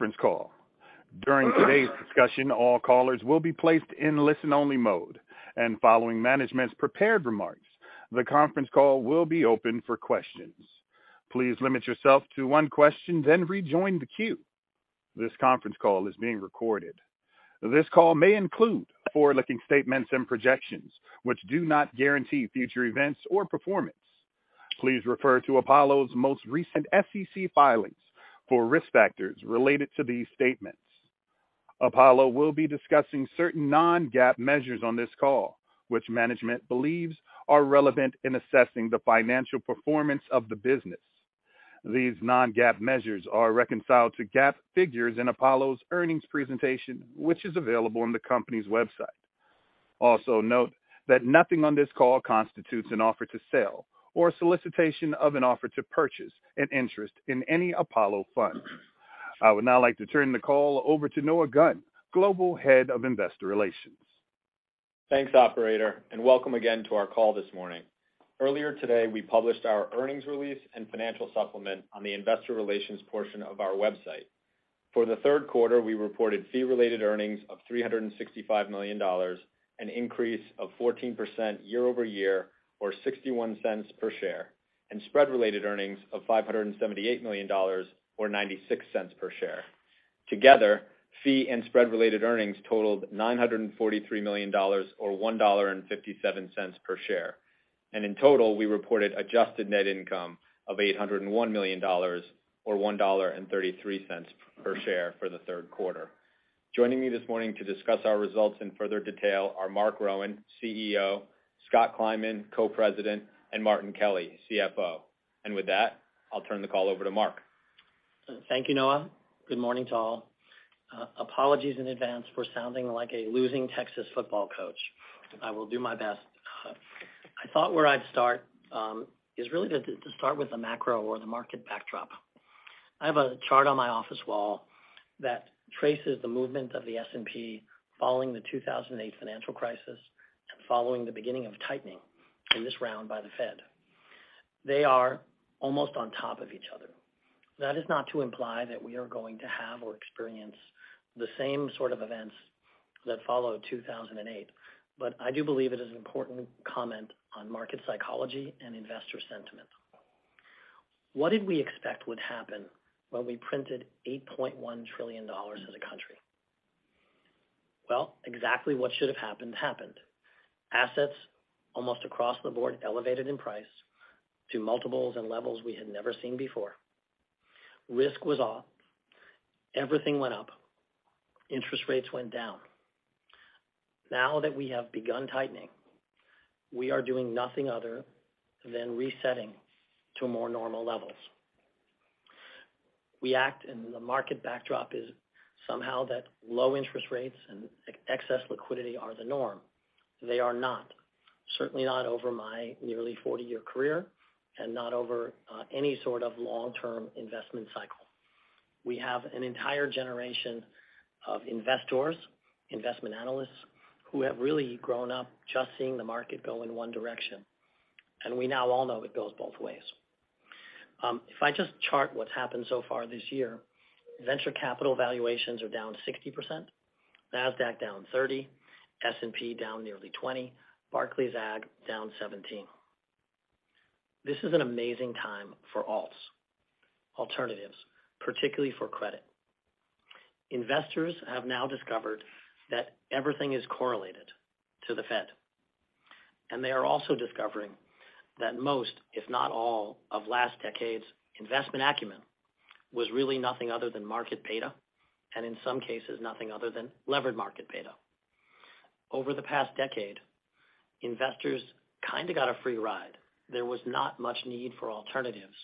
Conference call. During today's discussion, all callers will be placed in listen-only mode, and following management's prepared remarks, the conference call will be open for questions. Please limit yourself to one question, then rejoin the queue. This conference call is being recorded. This call may include forward-looking statements and projections, which do not guarantee future events or performance. Please refer to Apollo's most recent SEC filings for risk factors related to these statements. Apollo will be discussing certain non-GAAP measures on this call, which management believes are relevant in assessing the financial performance of the business. These non-GAAP measures are reconciled to GAAP figures in Apollo's earnings presentation, which is available on the company's website. Also note that nothing on this call constitutes an offer to sell or solicitation of an offer to purchase an interest in any Apollo fund. I would now like to turn the call over to Noah Gunn, Global Head of Investor Relations. Thanks, operator, and welcome again to our call this morning. Earlier today, we published our earnings release and financial supplement on the investor relations portion of our website. For the third quarter, we reported fee-related earnings of $365 million, an increase of 14% year-over-year, or $0.61, and spread-related earnings of $578 million or $0.96. Together, fee and spread-related earnings totaled $943 million or $1.57 per share. In total, we reported adjusted net income of $801 million or $1.33 per share for the third quarter. Joining me this morning to discuss our results in further detail are Marc Rowan, CEO, Scott Kleinman, Co-President, and Martin Kelly, CFO. With that, I'll turn the call over to Marc. Thank you, Noah. Good morning to all. Apologies in advance for sounding like a losing Texas football coach. I will do my best. I thought where I'd start is really to start with the macro or the market backdrop. I have a chart on my office wall that traces the movement of the S&P following the 2008 financial crisis and following the beginning of tightening in this round by the Fed. They are almost on top of each other. That is not to imply that we are going to have or experience the same sort of events that followed 2008, but I do believe it is important to comment on market psychology and investor sentiment. What did we expect would happen when we printed $8.1 trillion as a country? Well, exactly what should have happened. Assets almost across the board elevated in price to multiples and levels we had never seen before. Risk was off. Everything went up. Interest rates went down. Now that we have begun tightening, we are doing nothing other than resetting to more normal levels. We act, and the market backdrop is somehow that low interest rates and excess liquidity are the norm. They are not. Certainly not over my nearly 40-year career and not over any sort of long-term investment cycle. We have an entire generation of investors, investment analysts, who have really grown up just seeing the market go in one direction, and we now all know it goes both ways. If I just chart what's happened so far this year, venture capital valuations are down 60%, Nasdaq down 30%, S&P down nearly 20%, Barclays Agg down 17%. This is an amazing time for alts, alternatives, particularly for credit. Investors have now discovered that everything is correlated to the Fed, and they are also discovering that most, if not all, of last decade's investment acumen was really nothing other than market beta, and in some cases, nothing other than levered market beta. Over the past decade, investors kind of got a free ride. There was not much need for alternatives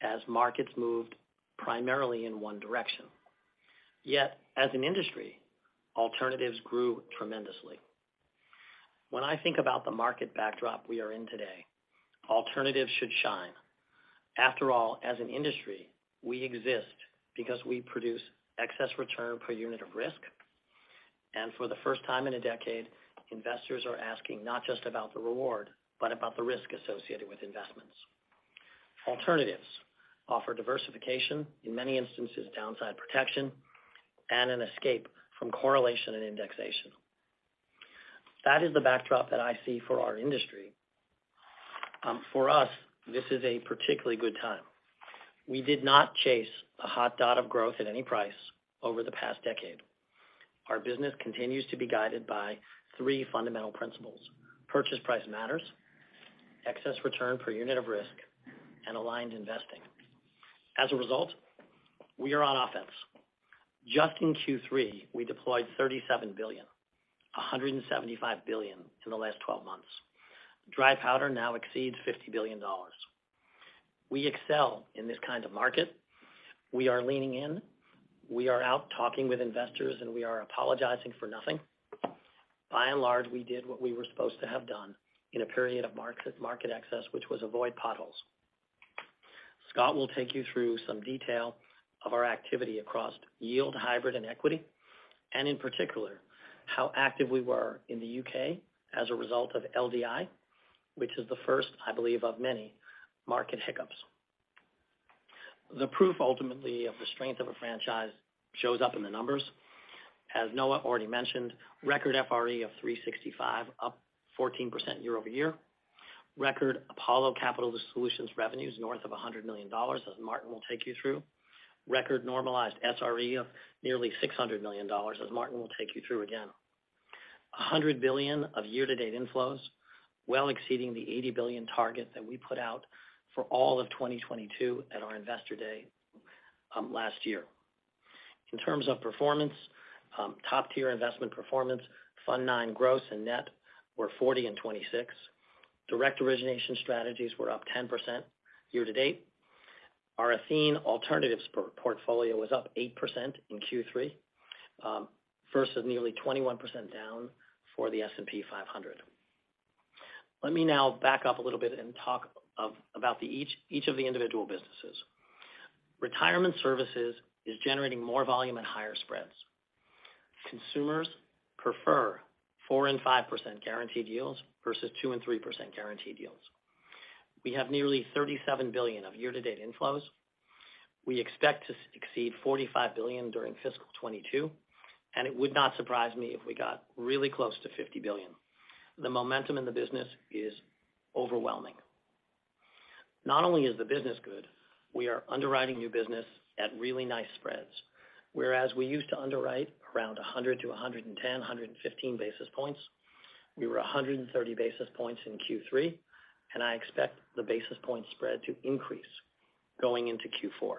as markets moved primarily in one direction. Yet as an industry, alternatives grew tremendously. When I think about the market backdrop we are in today, alternatives should shine. After all, as an industry, we exist because we produce excess return per unit of risk. For the first time in a decade, investors are asking not just about the reward, but about the risk associated with investments. Alternatives offer diversification, in many instances downside protection, and an escape from correlation and indexation. That is the backdrop that I see for our industry. For us, this is a particularly good time. We did not chase a hot dot of growth at any price over the past decade. Our business continues to be guided by three fundamental principles. Purchase price matters, excess return per unit of risk, and aligned investing. As a result, we are on offense. Just in Q3, we deployed $37 billion, $175 billion in the last 12 months. Dry powder now exceeds $50 billion. We excel in this kind of market. We are leaning in, we are out talking with investors, and we are apologizing for nothing. By and large, we did what we were supposed to have done in a period of market excess, which was avoid potholes. Scott will take you through some detail of our activity across yield, hybrid, and equity. In particular, how active we were in the U.K. as a result of LDI, which is the first, I believe, of many market hiccups. The proof ultimately of the strength of a franchise shows up in the numbers. As Noah already mentioned, record FRE of 365, up 14% year-over-year. Record Apollo Capital Solutions revenues north of $100 million, as Martin will take you through. Record normalized SRE of nearly $600 million, as Martin will take you through again. $100 billion of year-to-date inflows, well exceeding the $80 billion target that we put out for all of 2022 at our Investor Day, last year. In terms of performance, top-tier investment performance, Fund IX gross and net were 40 and 26. Direct origination strategies were up 10% year to date. Our Athene alternatives portfolio was up 8% in Q3 versus nearly 21% down for the S&P 500. Let me now back up a little bit and talk about each of the individual businesses. Retirement services is generating more volume and higher spreads. Consumers prefer 4% and 5% guaranteed yields versus 2% and 3% guaranteed yields. We have nearly $37 billion of year-to-date inflows. We expect to exceed $45 billion during fiscal 2022, and it would not surprise me if we got really close to $50 billion. The momentum in the business is overwhelming. Not only is the business good, we are underwriting new business at really nice spreads. Whereas we used to underwrite around 100-110, 115 basis points, we were 130 basis points in Q3, and I expect the basis point spread to increase going into Q4.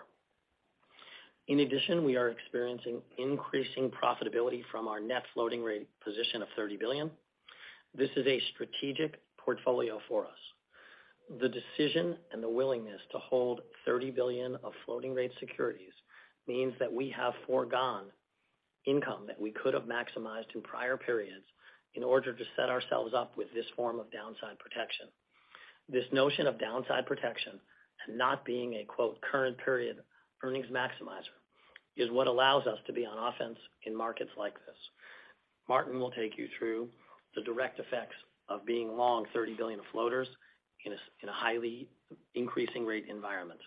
In addition, we are experiencing increasing profitability from our net floating rate position of $30 billion. This is a strategic portfolio for us. The decision and the willingness to hold $30 billion of floating rate securities means that we have foregone income that we could have maximized in prior periods in order to set ourselves up with this form of downside protection. This notion of downside protection and not being a, quote, "current period earnings maximizer", is what allows us to be on offense in markets like this. Martin will take you through the direct effects of being long $30 billion of floaters in a highly increasing rate environment.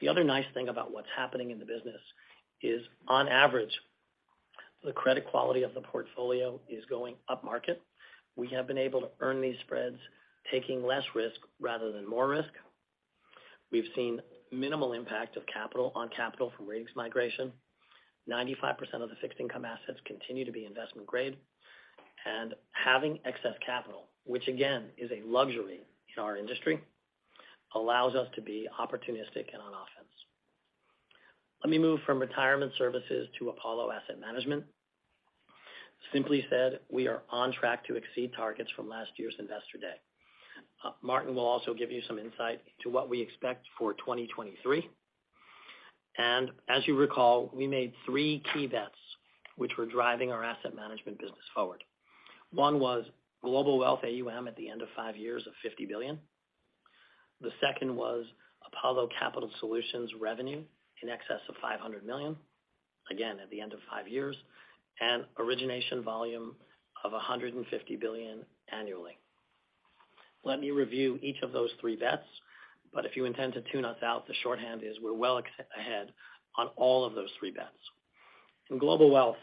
The other nice thing about what's happening in the business is, on average, the credit quality of the portfolio is going upmarket. We have been able to earn these spreads, taking less risk rather than more risk. We've seen minimal impact of capital on capital from ratings migration. 95% of the fixed income assets continue to be investment grade. Having excess capital, which again, is a luxury in our industry, allows us to be opportunistic and on offense. Let me move from retirement services to Apollo asset management. Simply said, we are on track to exceed targets from last year's Investor Day. Martin will also give you some insight into what we expect for 2023. As you recall, we made three key bets which were driving our asset management business forward. One was global wealth AUM at the end of five years of $50 billion. The second was Apollo Capital Solutions revenue in excess of $500 million, again, at the end of five years, and origination volume of $150 billion annually. Let me review each of those three bets, but if you intend to tune us out, the shorthand is we're well ahead on all of those three bets. In global wealth,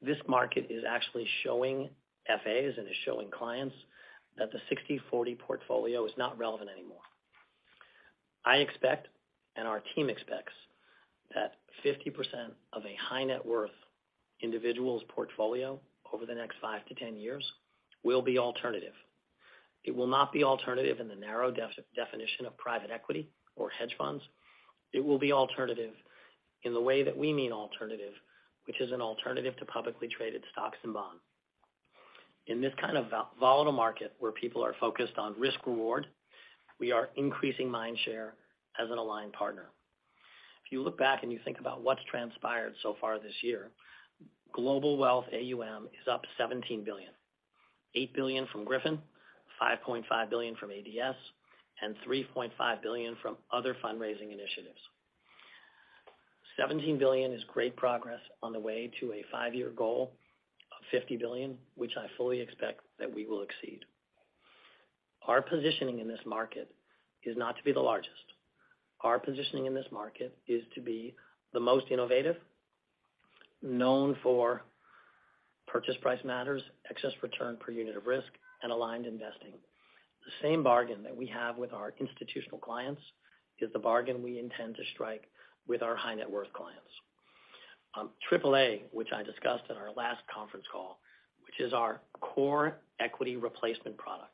this market is actually showing FAs and is showing clients that the 60/40 portfolio is not relevant anymore. I expect, and our team expects, that 50% of a high net worth individual's portfolio over the next 5-10 years will be alternative. It will not be alternative in the narrow definition of private equity or hedge funds. It will be alternative in the way that we mean alternative, which is an alternative to publicly traded stocks and bonds. In this kind of volatile market where people are focused on risk reward, we are increasing mind share as an aligned partner. If you look back and you think about what's transpired so far this year, global wealth AUM is up $17 billion, $8 billion from Griffin, $5.5 billion from ADS, and $3.5 billion from other fundraising initiatives. $17 billion is great progress on the way to a five-year goal of $50 billion, which I fully expect that we will exceed. Our positioning in this market is not to be the largest. Our positioning in this market is to be the most innovative, known for purchase price matters, excess return per unit of risk, and aligned investing. The same bargain that we have with our institutional clients is the bargain we intend to strike with our high net worth clients. Apollo Aligned Alternatives, which I discussed in our last conference call, which is our core equity replacement product.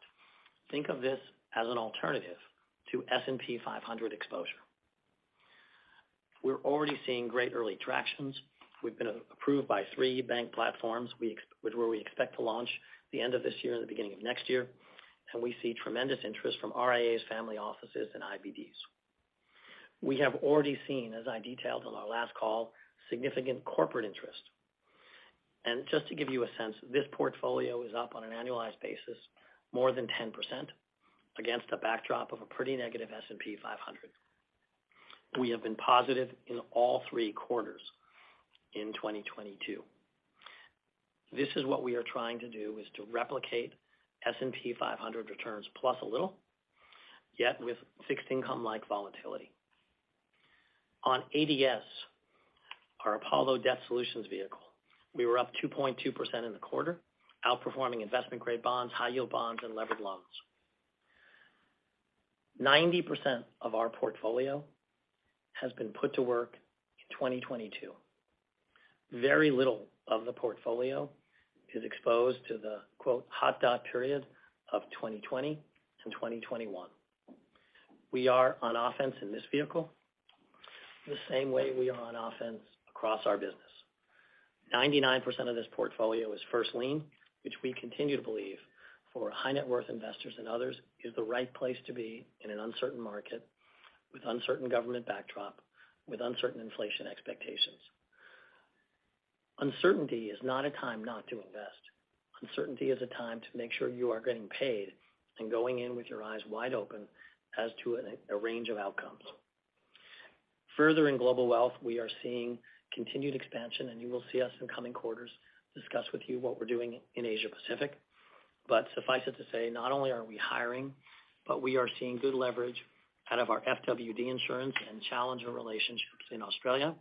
Think of this as an alternative to S&P 500 exposure. We're already seeing great early traction. We've been approved by three bank platforms where we expect to launch the end of this year and the beginning of next year, and we see tremendous interest from RIAs, family offices, and IBDs. We have already seen, as I detailed on our last call, significant corporate interest. Just to give you a sense, this portfolio is up on an annualized basis more than 10% against a backdrop of a pretty negative S&P 500. We have been positive in all three quarters in 2022. This is what we are trying to do, is to replicate S&P 500 returns plus a little, yet with fixed income-like volatility. On ADS, our Apollo Debt Solutions vehicle, we were up 2.2% in the quarter, outperforming investment-grade bonds, high yield bonds, and levered loans. 90% of our portfolio has been put to work in 2022. Very little of the portfolio is exposed to the quote, "hot dot period of 2020 to 2021." We are on offense in this vehicle the same way we are on offense across our business. 99% of this portfolio is first lien, which we continue to believe for high net worth investors and others, is the right place to be in an uncertain market, with uncertain government backdrop, with uncertain inflation expectations. Uncertainty is not a time not to invest. Uncertainty is a time to make sure you are getting paid and going in with your eyes wide open as to a range of outcomes. Further in global wealth, we are seeing continued expansion, and you will see us in coming quarters discuss with you what we're doing in Asia-Pacific. Suffice it to say, not only are we hiring, but we are seeing good leverage out of our FWD insurance and Challenger relationships in Australia.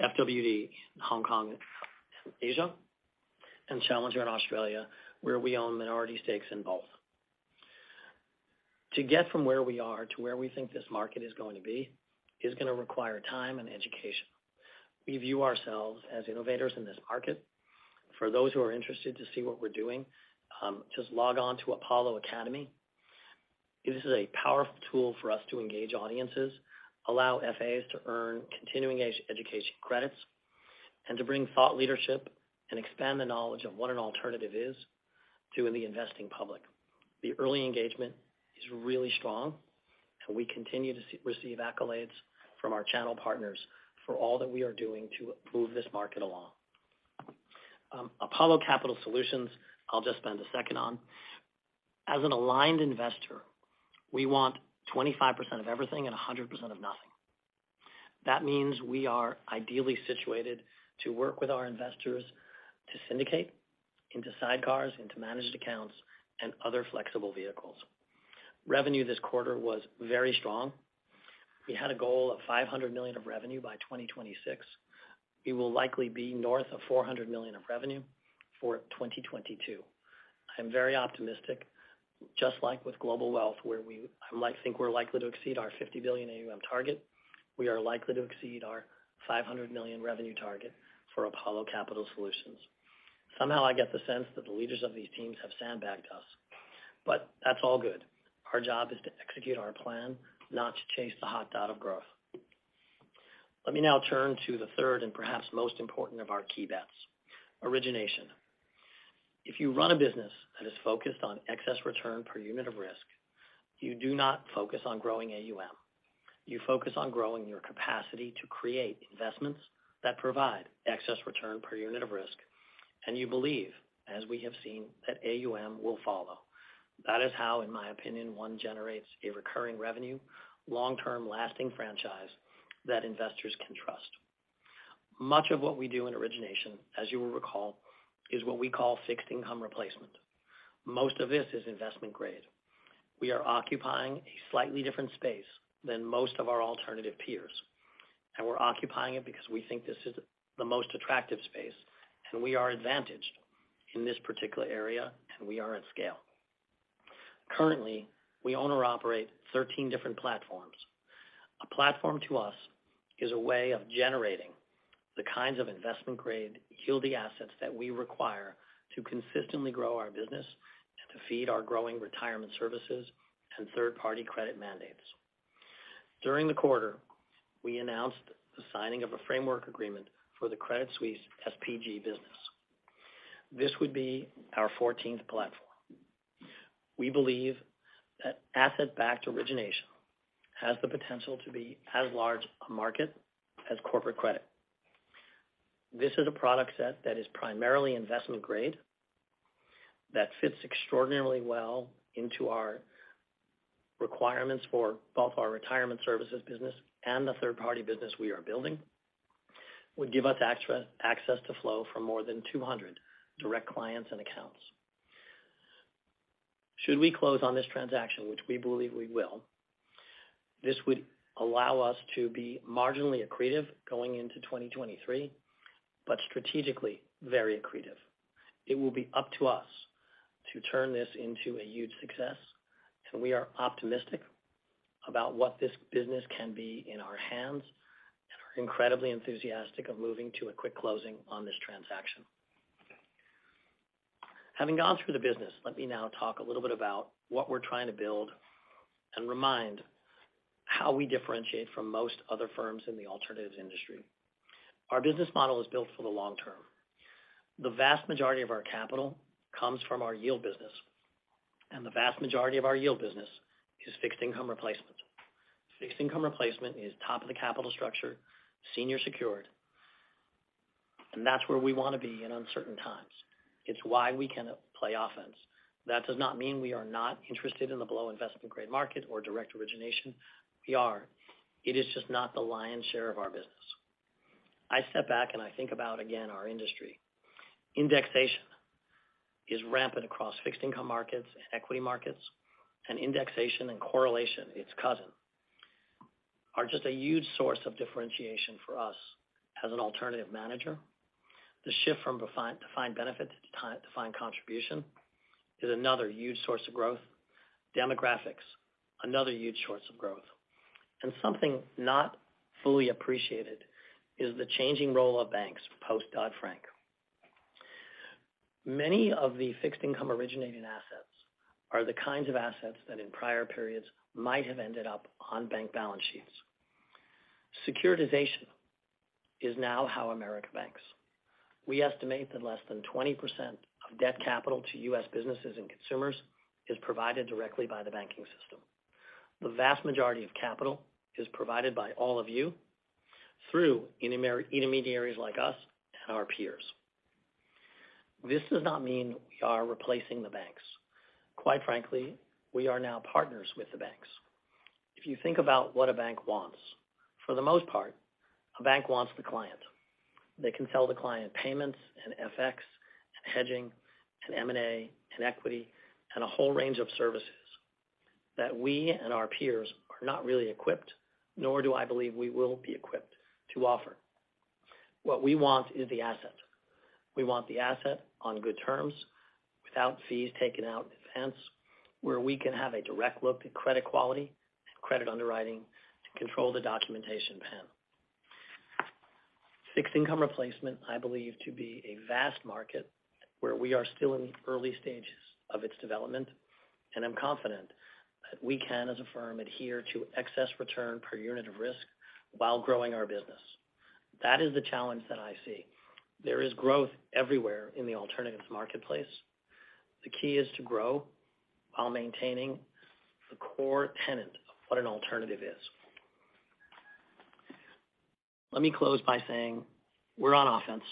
FWD in Hong Kong and Asia, and Challenger in Australia, where we own minority stakes in both. To get from where we are to where we think this market is going to be is gonna require time and education. We view ourselves as innovators in this market. For those who are interested to see what we're doing, just log on to Apollo Academy. This is a powerful tool for us to engage audiences, allow FAs to earn continuing education credits, and to bring thought leadership and expand the knowledge of what an alternative is to the investing public. The early engagement is really strong, and we continue to receive accolades from our channel partners for all that we are doing to move this market along. Apollo Capital Solutions, I'll just spend a second on. As an aligned investor, we want 25% of everything and 100% of nothing. That means we are ideally situated to work with our investors to syndicate into sidecars, into managed accounts, and other flexible vehicles. Revenue this quarter was very strong. We had a goal of $500 million of revenue by 2026. We will likely be north of $400 million of revenue for 2022. I'm very optimistic, just like with Global Wealth, where we, I might think we're likely to exceed our $50 billion AUM target. We are likely to exceed our $500 million revenue target for Apollo Capital Solutions. Somehow I get the sense that the leaders of these teams have sandbagged us, but that's all good. Our job is to execute our plan, not to chase the hot dot of growth. Let me now turn to the third and perhaps most important of our key bets, origination. If you run a business that is focused on excess return per unit of risk, you do not focus on growing AUM. You focus on growing your capacity to create investments that provide excess return per unit of risk, and you believe, as we have seen, that AUM will follow. That is how, in my opinion, one generates a recurring revenue, long-term lasting franchise that investors can trust. Much of what we do in origination, as you will recall, is what we call fixed income replacement. Most of this is investment-grade. We are occupying a slightly different space than most of our alternative peers, and we're occupying it because we think this is the most attractive space, and we are advantaged in this particular area, and we are at scale. Currently, we own or operate 13 different platforms. A platform to us is a way of generating the kinds of investment-grade, yielding assets that we require to consistently grow our business and to feed our growing retirement services and third-party credit mandates. During the quarter, we announced the signing of a framework agreement for the Credit Suisse SPG business. This would be our 14th platform. We believe that asset-backed origination has the potential to be as large a market as corporate credit. This is a product set that is primarily investment-grade, that fits extraordinarily well into our requirements for both our retirement services business and the third-party business we are building. Would give us access to flow for more than 200 direct clients and accounts. Should we close on this transaction, which we believe we will, this would allow us to be marginally accretive going into 2023, but strategically very accretive. It will be up to us to turn this into a huge success, so we are optimistic about what this business can be in our hands, and are incredibly enthusiastic of moving to a quick closing on this transaction. Having gone through the business, let me now talk a little bit about what we're trying to build and remind how we differentiate from most other firms in the alternatives industry. Our business model is built for the long term. The vast majority of our capital comes from our yield business, and the vast majority of our yield business is fixed income replacement. Fixed income replacement is top of the capital structure, senior secured. That's where we wanna be in uncertain times. It's why we can play offense. That does not mean we are not interested in the below investment-grade market or direct origination. We are. It is just not the lion's share of our business. I step back and I think about, again, our industry. Indexation is rampant across fixed income markets and equity markets, and indexation and correlation, its cousin, are just a huge source of differentiation for us as an alternative manager. The shift from defined benefit to defined contribution is another huge source of growth. Demographics, another huge source of growth. Something not fully appreciated is the changing role of banks post-Dodd-Frank. Many of the fixed income originating assets are the kinds of assets that in prior periods might have ended up on bank balance sheets. Securitization is now how American banks. We estimate that less than 20% of debt capital to U.S. businesses and consumers is provided directly by the banking system. The vast majority of capital is provided by all of you through intermediaries like us and our peers. This does not mean we are replacing the banks. Quite frankly, we are now partners with the banks. If you think about what a bank wants, for the most part, a bank wants the client. They can sell the client payments and FX and hedging and M&A and equity and a whole range of services that we and our peers are not really equipped, nor do I believe we will be equipped to offer. What we want is the asset. We want the asset on good terms without fees taken out in advance, where we can have a direct look at credit quality and credit underwriting to control the documentation pen. Fixed income replacement I believe to be a vast market where we are still in the early stages of its development, and I'm confident that we can, as a firm, adhere to excess return per unit of risk while growing our business. That is the challenge that I see. There is growth everywhere in the alternatives marketplace. The key is to grow while maintaining the core tenet of what an alternative is. Let me close by saying we're on offense.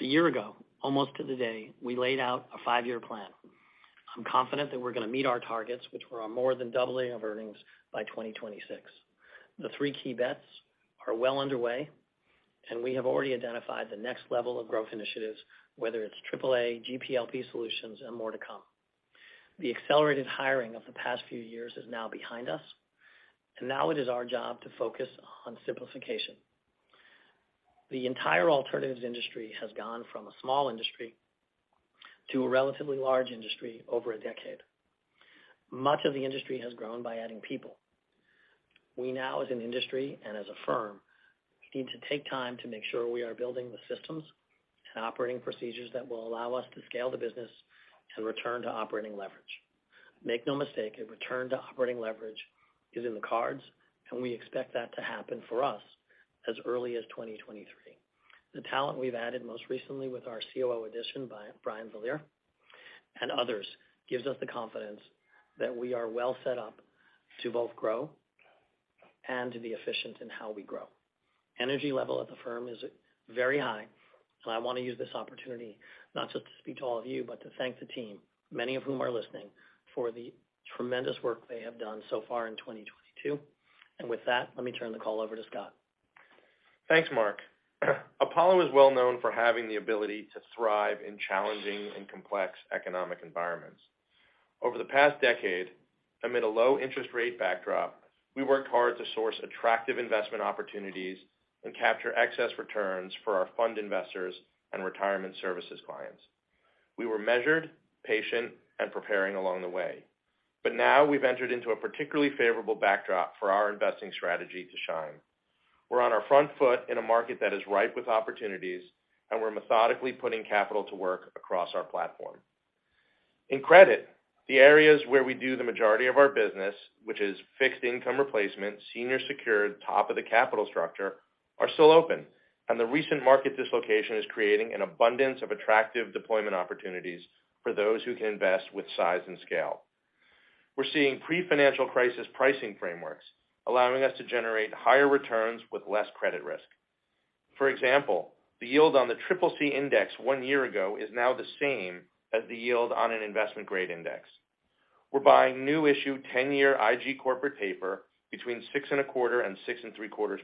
A year ago, almost to the day, we laid out a five-year plan. I'm confident that we're gonna meet our targets, which were on more than doubling of earnings by 2026. The three key bets are well underway, and we have already identified the next level of growth initiatives, whether it's AAA, GP/LP solutions, and more to come. The accelerated hiring of the past few years is now behind us, and now it is our job to focus on simplification. The entire alternatives industry has gone from a small industry to a relatively large industry over a decade. Much of the industry has grown by adding people. We now, as an industry and as a firm, need to take time to make sure we are building the systems and operating procedures that will allow us to scale the business and return to operating leverage. Make no mistake, a return to operating leverage is in the cards, and we expect that to happen for us as early as 2023. The talent we've added most recently with our COO addition by Byron Vielehr and others gives us the confidence that we are well set up to both grow and to be efficient in how we grow. Energy level at the firm is very high, and I want to use this opportunity not just to speak to all of you, but to thank the team, many of whom are listening, for the tremendous work they have done so far in 2022. With that, let me turn the call over to Scott. Thanks, Marc. Apollo is well known for having the ability to thrive in challenging and complex economic environments. Over the past decade, amid a low interest rate backdrop, we worked hard to source attractive investment opportunities and capture excess returns for our fund investors and retirement services clients. We were measured, patient, and preparing along the way. Now we've entered into a particularly favorable backdrop for our investing strategy to shine. We're on our front foot in a market that is ripe with opportunities, and we're methodically putting capital to work across our platform. In credit, the areas where we do the majority of our business, which is fixed income replacement, senior secured, top of the capital structure, are still open, and the recent market dislocation is creating an abundance of attractive deployment opportunities for those who can invest with size and scale. We're seeing pre-financial crisis pricing frameworks allowing us to generate higher returns with less credit risk. For example, the yield on the CCC index one year ago is now the same as the yield on an investment-grade index. We're buying new issue 10-year IG corporate paper between 6.25% and 6.75%.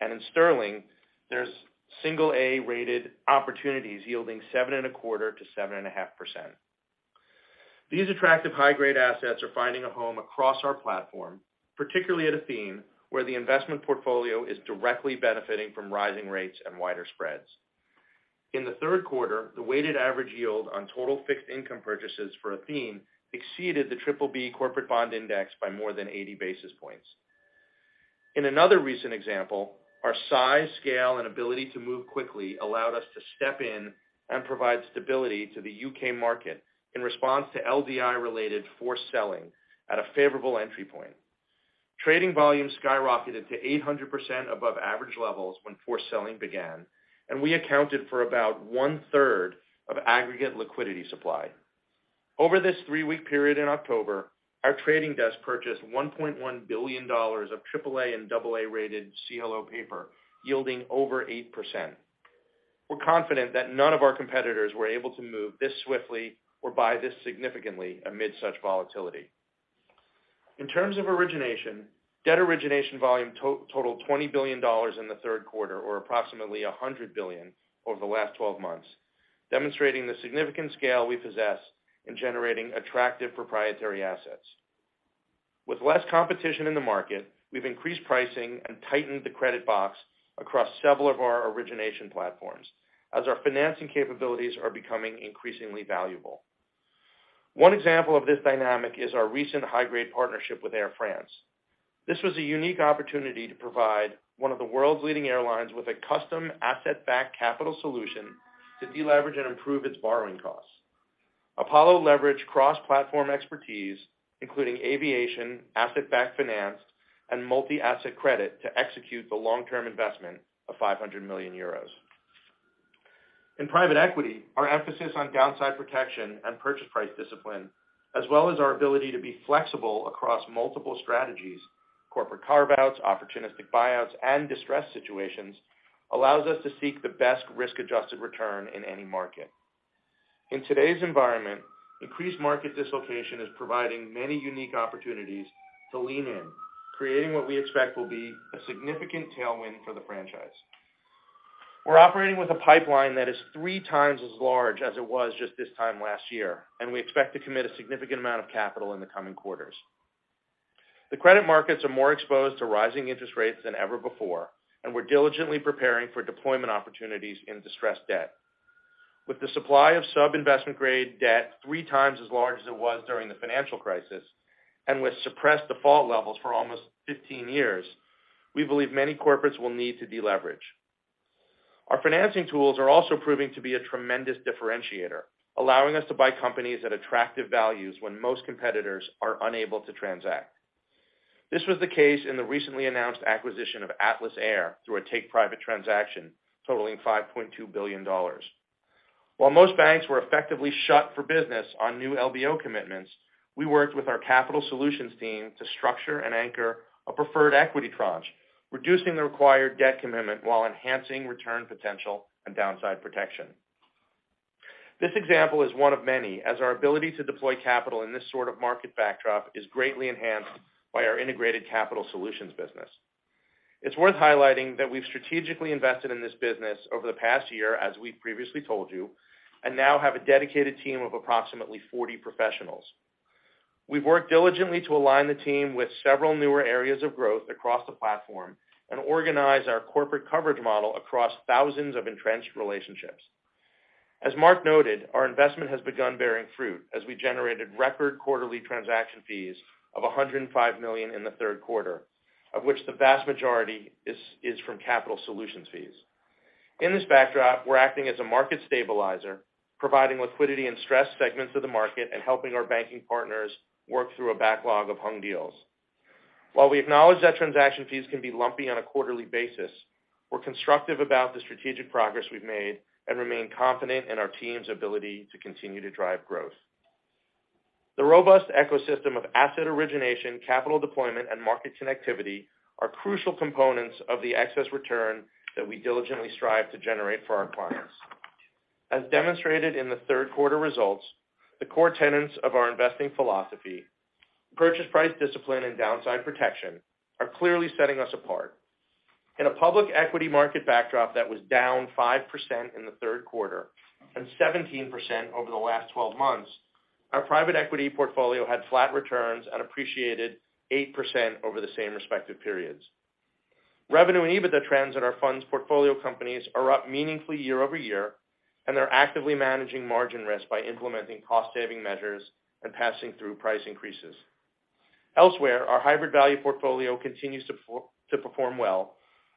In sterling, there's single A-rated opportunities yielding 7.25%-7.5%. These attractive high-grade assets are finding a home across our platform, particularly at Athene, where the investment portfolio is directly benefiting from rising rates and wider spreads. In the third quarter, the weighted average yield on total fixed income purchases for Athene exceeded the BBB corporate bond index by more than 80 basis points. In another recent example, our size, scale, and ability to move quickly allowed us to step in and provide stability to the U.K. market in response to LDI-related forced selling at a favorable entry point. Trading volume skyrocketed to 800% above average levels when forced selling began, and we accounted for about 1/3 of aggregate liquidity supply. Over this three-week period in October, our trading desk purchased $1.1 billion of AAA and AA-rated CLO paper, yielding over 8%. We're confident that none of our competitors were able to move this swiftly or buy this significantly amid such volatility. In terms of origination, debt origination volume totaled $20 billion in the third quarter or approximately $100 billion over the last 12 months, demonstrating the significant scale we possess in generating attractive proprietary assets. With less competition in the market, we've increased pricing and tightened the credit box across several of our origination platforms as our financing capabilities are becoming increasingly valuable. One example of this dynamic is our recent high-grade partnership with Air France. This was a unique opportunity to provide one of the world's leading airlines with a custom asset-backed capital solution to deleverage and improve its borrowing costs. Apollo leveraged cross-platform expertise, including aviation, asset-backed finance, and multi-asset credit to execute the long-term investment of 500 million euros. In private equity, our emphasis on downside protection and purchase price discipline, as well as our ability to be flexible across multiple strategies, corporate carve-outs, opportunistic buyouts, and distressed situations, allows us to seek the best risk-adjusted return in any market. In today's environment, increased market dislocation is providing many unique opportunities to lean in, creating what we expect will be a significant tailwind for the franchise. We're operating with a pipeline that is 3x as large as it was just this time last year, and we expect to commit a significant amount of capital in the coming quarters. The credit markets are more exposed to rising interest rates than ever before, and we're diligently preparing for deployment opportunities in distressed debt. With the supply of sub-investment grade debt 3x as large as it was during the financial crisis, and with suppressed default levels for almost 15 years, we believe many corporates will need to deleverage. Our financing tools are also proving to be a tremendous differentiator, allowing us to buy companies at attractive values when most competitors are unable to transact. This was the case in the recently announced acquisition of Atlas Air through a take-private transaction totaling $5.2 billion. While most banks were effectively shut for business on new LBO commitments, we worked with our capital solutions team to structure and anchor a preferred equity tranche, reducing the required debt commitment while enhancing return potential and downside protection. This example is one of many, as our ability to deploy capital in this sort of market backdrop is greatly enhanced by our integrated capital solutions business. It's worth highlighting that we've strategically invested in this business over the past year, as we previously told you, and now have a dedicated team of approximately 40 professionals. We've worked diligently to align the team with several newer areas of growth across the platform and organize our corporate coverage model across thousands of entrenched relationships. As Marc noted, our investment has begun bearing fruit as we generated record quarterly transaction fees of $105 million in the third quarter, of which the vast majority is from capital solutions fees. In this backdrop, we're acting as a market stabilizer, providing liquidity in stressed segments of the market and helping our banking partners work through a backlog of hung deals. While we acknowledge that transaction fees can be lumpy on a quarterly basis, we're constructive about the strategic progress we've made and remain confident in our team's ability to continue to drive growth. The robust ecosystem of asset origination, capital deployment, and market connectivity are crucial components of the excess return that we diligently strive to generate for our clients. As demonstrated in the third quarter results, the core tenets of our investing philosophy, purchase price discipline, and downside protection, are clearly setting us apart. In a public equity market backdrop that was down 5% in the third quarter and 17% over the last 12 months, our private equity portfolio had flat returns and appreciated 8% over the same respective periods. Revenue and EBITDA trends at our funds portfolio companies are up meaningfully year-over-year, and they're actively managing margin risk by implementing cost-saving measures and passing through price increases. Elsewhere, our hybrid value portfolio continues to perform well,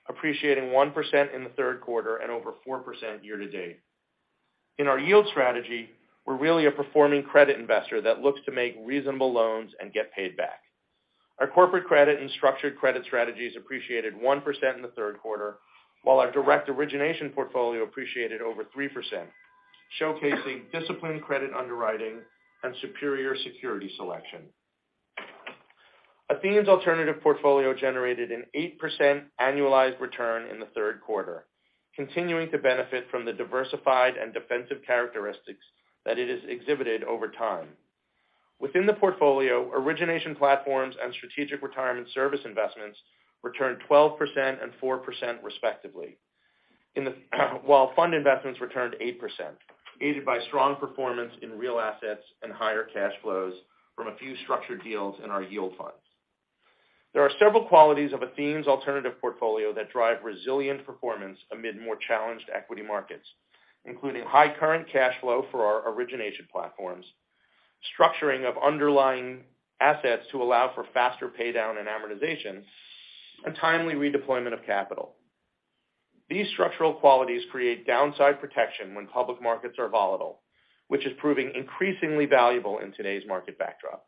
appreciating 1% in the third quarter and over 4% year to date. In our yield strategy, we're really a performing credit investor that looks to make reasonable loans and get paid back. Our corporate credit and structured credit strategies appreciated 1% in the third quarter, while our direct origination portfolio appreciated over 3%, showcasing disciplined credit underwriting and superior security selection. Athene's alternative portfolio generated an 8% annualized return in the third quarter, continuing to benefit from the diversified and defensive characteristics that it has exhibited over time. Within the portfolio, origination platforms and strategic retirement service investments returned 12% and 4% respectively. While fund investments returned 8%, aided by strong performance in real assets and higher cash flows from a few structured deals in our yield funds. There are several qualities of Athene's alternative portfolio that drive resilient performance amid more challenged equity markets, including high current cash flow for our origination platforms, structuring of underlying assets to allow for faster paydown and amortization, and timely redeployment of capital. These structural qualities create downside protection when public markets are volatile, which is proving increasingly valuable in today's market backdrop.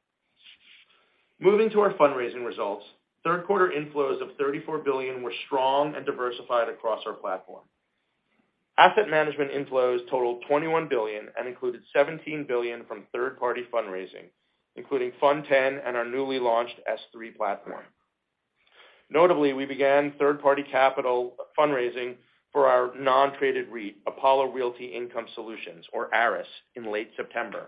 Moving to our fundraising results, third quarter inflows of $34 billion were strong and diversified across our platform. Asset management inflows totaled $21 billion and included $17 billion from third-party fundraising, including Fund X and our newly launched S3 platform. Notably, we began third-party capital fundraising for our non-traded REIT, Apollo Realty Income Solutions, or ARIS, in late September.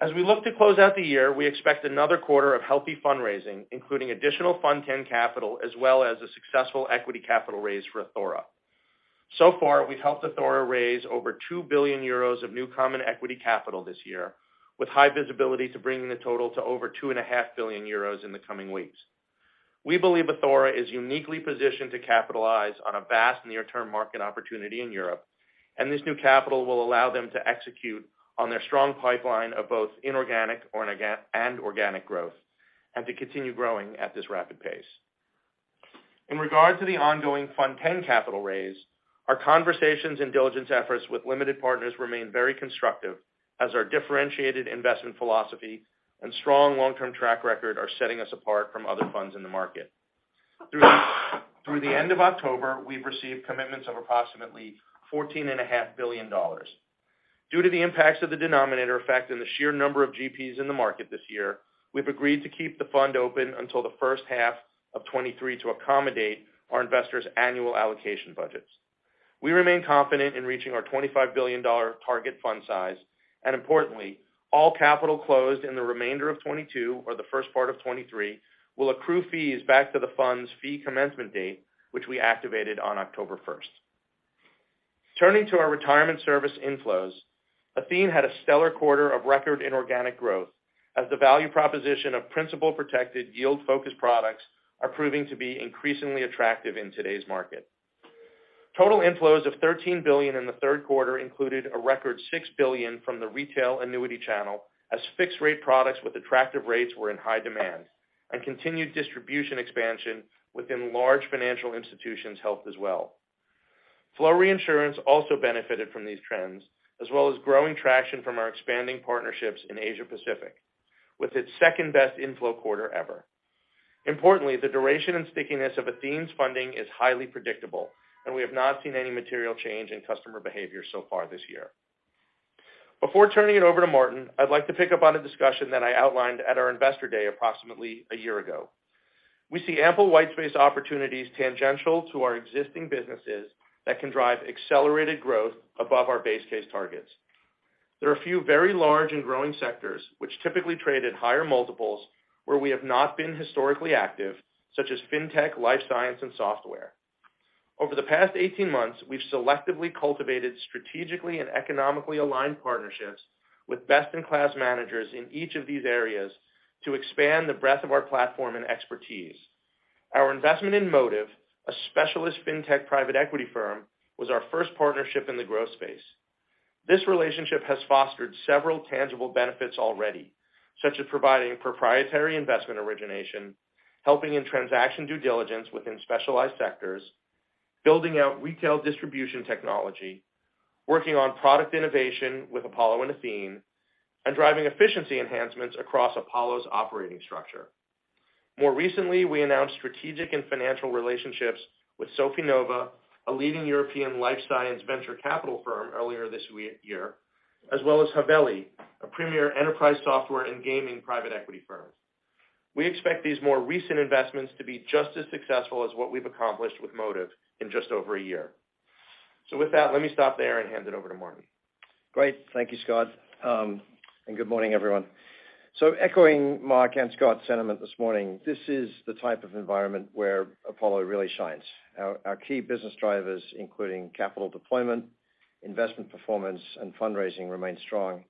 As we look to close out the year, we expect another quarter of healthy fundraising, including additional Fund X capital, as well as a successful equity capital raise for Athora. So far, we've helped Athora raise over 2 billion euros of new common equity capital this year, with high visibility to bringing the total to over 2.5 billion euros in the coming weeks. We believe Athora is uniquely positioned to capitalize on a vast near-term market opportunity in Europe, and this new capital will allow them to execute on their strong pipeline of both inorganic and organic growth and to continue growing at this rapid pace. In regard to the ongoing Fund X capital raise, our conversations and diligence efforts with limited partners remain very constructive as our differentiated investment philosophy and strong long-term track record are setting us apart from other funds in the market. Through the end of October, we've received commitments of approximately $14.5 billion. Due to the impacts of the denominator effect and the sheer number of GPs in the market this year, we've agreed to keep the fund open until the first half of 2023 to accommodate our investors' annual allocation budgets. We remain confident in reaching our $25 billion target fund size, and importantly, all capital closed in the remainder of 2022 or the first part of 2023 will accrue fees back to the fund's fee commencement date, which we activated on October 1. Turning to our retirement service inflows, Athene had a stellar quarter of record inorganic growth as the value proposition of principal protected yield focused products are proving to be increasingly attractive in today's market. Total inflows of $13 billion in the third quarter included a record $6 billion from the retail annuity channel, as fixed rate products with attractive rates were in high demand, and continued distribution expansion within large financial institutions helped as well. Flow reinsurance also benefited from these trends, as well as growing traction from our expanding partnerships in Asia Pacific, with its second-best inflow quarter ever. Importantly, the duration and stickiness of Athene's funding is highly predictable, and we have not seen any material change in customer behavior so far this year. Before turning it over to Martin, I'd like to pick up on a discussion that I outlined at our investor day approximately a year ago. We see ample whitespace opportunities tangential to our existing businesses that can drive accelerated growth above our base case targets. There are a few very large and growing sectors, which typically trade at higher multiples, where we have not been historically active, such as fintech, life science, and software. Over the past 18 months, we've selectively cultivated strategically and economically aligned partnerships with best-in-class managers in each of these areas to expand the breadth of our platform and expertise. Our investment in Motive, a specialist fintech private equity firm, was our first partnership in the growth space. This relationship has fostered several tangible benefits already, such as providing proprietary investment origination, helping in transaction due diligence within specialized sectors, building out retail distribution technology, working on product innovation with Apollo and Athene, and driving efficiency enhancements across Apollo's operating structure. More recently, we announced strategic and financial relationships with Sofinnova, a leading European life science venture capital firm earlier this year, as well as Haveli, a premier enterprise software and gaming private equity firm. We expect these more recent investments to be just as successful as what we've accomplished with Motive in just over a year. With that, let me stop there and hand it over to Martin. Great. Thank you, Scott. And good morning, everyone. Echoing Marc and Scott's sentiment this morning, this is the type of environment where Apollo really shines. Our key business drivers, including capital deployment, investment performance, and fundraising remain strong,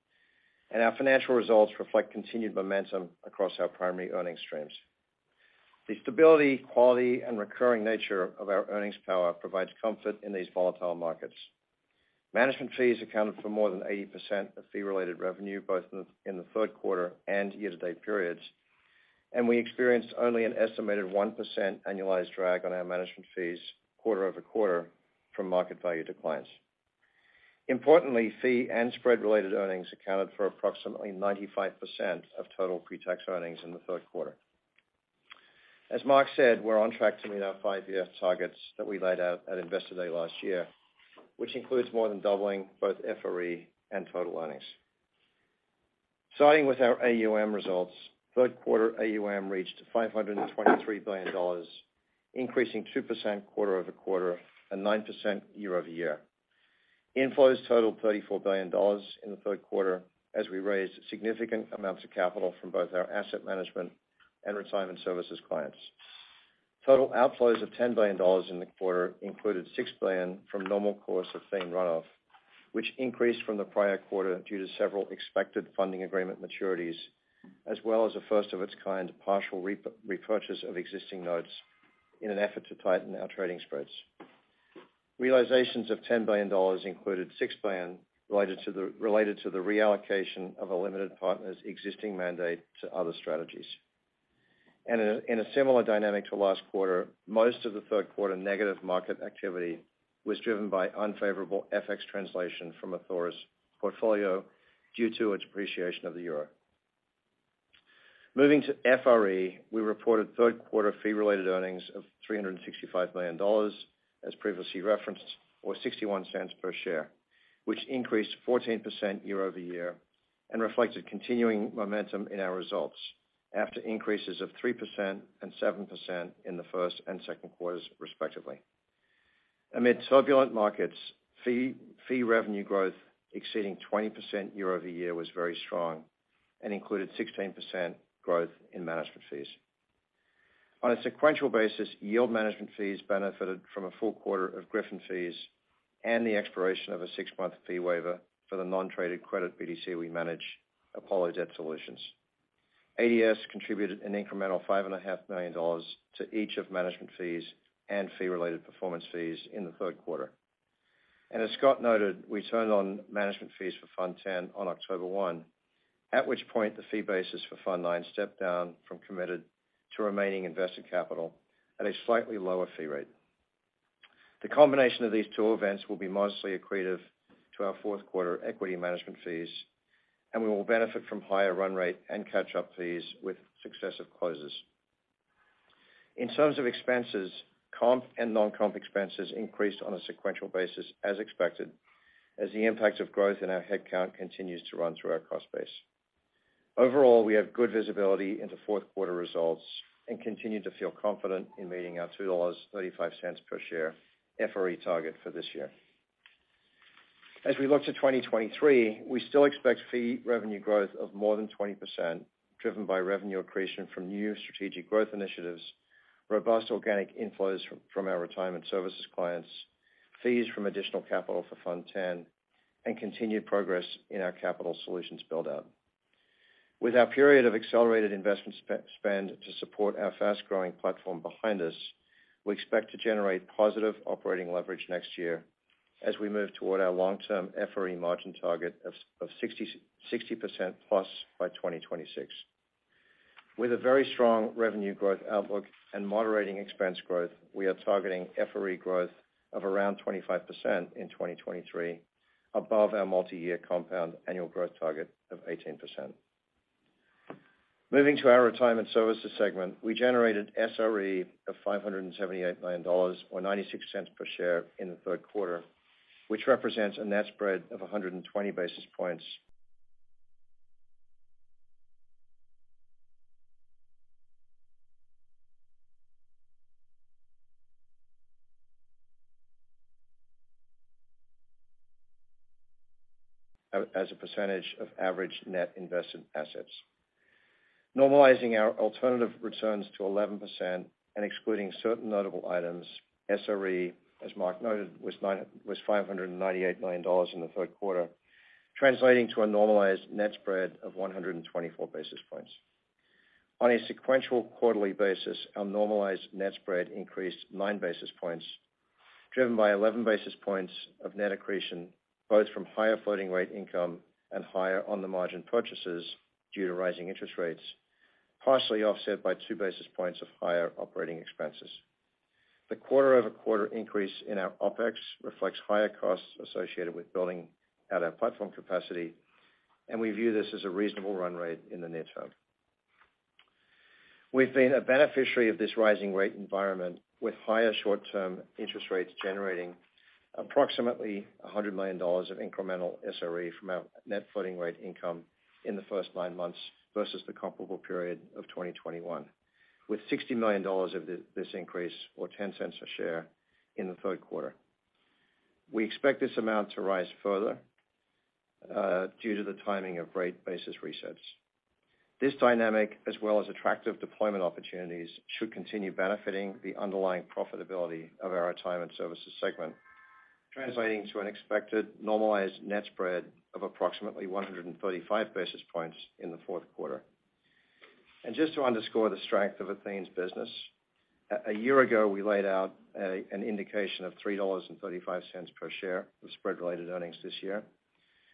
and our financial results reflect continued momentum across our primary earning streams. The stability, quality, and recurring nature of our earnings power provides comfort in these volatile markets. Management fees accounted for more than 80% of fee-related revenue, both in the third quarter and year-to-date periods. We experienced only an estimated 1% annualized drag on our management fees quarter-over-quarter from market value declines. Importantly, fee and spread-related earnings accounted for approximately 95% of total pre-tax earnings in the third quarter. As Marc said, we're on track to meet our five-year targets that we laid out at Investor Day last year, which includes more than doubling both FRE and total earnings. Starting with our AUM results, third quarter AUM reached $523 billion, increasing 2% quarter-over-quarter and 9% year-over-year. Inflows totaled $34 billion in the third quarter as we raised significant amounts of capital from both our asset management and retirement services clients. Total outflows of $10 billion in the quarter included $6 billion from normal course of paying runoff, which increased from the prior quarter due to several expected funding agreement maturities, as well as a first of its kind partial repurchase of existing notes in an effort to tighten our trading spreads. Realizations of $10 billion included $6 billion related to the reallocation of a limited partner's existing mandate to other strategies. In a similar dynamic to last quarter, most of the third quarter negative market activity was driven by unfavorable FX translation from Athora's portfolio due to its depreciation of the euro. Moving to FRE, we reported third quarter fee-related earnings of $365 million as previously referenced, or $0.61 per share, which increased 14% year-over-year and reflected continuing momentum in our results after increases of 3% and 7% in the first and second quarters, respectively. Amid turbulent markets, fee revenue growth exceeding 20% year-over-year was very strong and included 16% growth in management fees. On a sequential basis, yield management fees benefited from a full quarter of Griffin Capital fees and the expiration of a six-month fee waiver for the non-traded credit BDC we manage, Apollo Debt Solutions. ADS contributed an incremental $5.5 million to each of management fees and fee-related performance fees in the third quarter. As Scott noted, we turned on management fees for Fund X on October 1, at which point the fee basis for Fund IX stepped down from committed to remaining invested capital at a slightly lower fee rate. The combination of these two events will be modestly accretive to our fourth quarter equity management fees, and we will benefit from higher run rate and catch-up fees with successive closes. In terms of expenses, comp and non-comp expenses increased on a sequential basis as expected, as the impact of growth in our head count continues to run through our cost base. Overall, we have good visibility into fourth quarter results and continue to feel confident in meeting our $2.35 per share FRE target for this year. As we look to 2023, we still expect fee revenue growth of more than 20% driven by revenue accretion from new strategic growth initiatives, robust organic inflows from our retirement services clients, fees from additional capital for Fund X, and continued progress in our capital solutions build-out. With our period of accelerated investment spend to support our fast-growing platform behind us, we expect to generate positive operating leverage next year as we move toward our long-term FRE margin target of 60%+ by 2026. With a very strong revenue growth outlook and moderating expense growth, we are targeting FRE growth of around 25% in 2023 above our multiyear compound annual growth target of 18%. Moving to our retirement services segment, we generated SRE of $578 million or $0.96 per share in the third quarter, which represents a net spread of 120 basis points as a percentage of average net invested assets. Normalizing our alternative returns to 11% and excluding certain notable items, SRE, as Marc noted, was $598 million in the third quarter, translating to a normalized net spread of 124 basis points. On a sequential quarterly basis, our normalized net spread increased nine basis points, driven by 11 basis points of net accretion, both from higher floating rate income and higher on the margin purchases due to rising interest rates, partially offset by two basis points of higher operating expenses. The quarter-over-quarter increase in our OpEx reflects higher costs associated with building out our platform capacity, and we view this as a reasonable run rate in the near term. We've been a beneficiary of this rising rate environment with higher short-term interest rates generating approximately $100 million of incremental SRE from our net floating rate income in the first nine months versus the comparable period of 2021, with $60 million of this increase or $0.10 a share in the third quarter. We expect this amount to rise further due to the timing of rate basis resets. This dynamic, as well as attractive deployment opportunities, should continue benefiting the underlying profitability of our retirement services segment, translating to an expected normalized net spread of approximately 135 basis points in the fourth quarter. Just to underscore the strength of Athene's business, a year ago, we laid out an indication of $3.35 per share of spread-related earnings this year.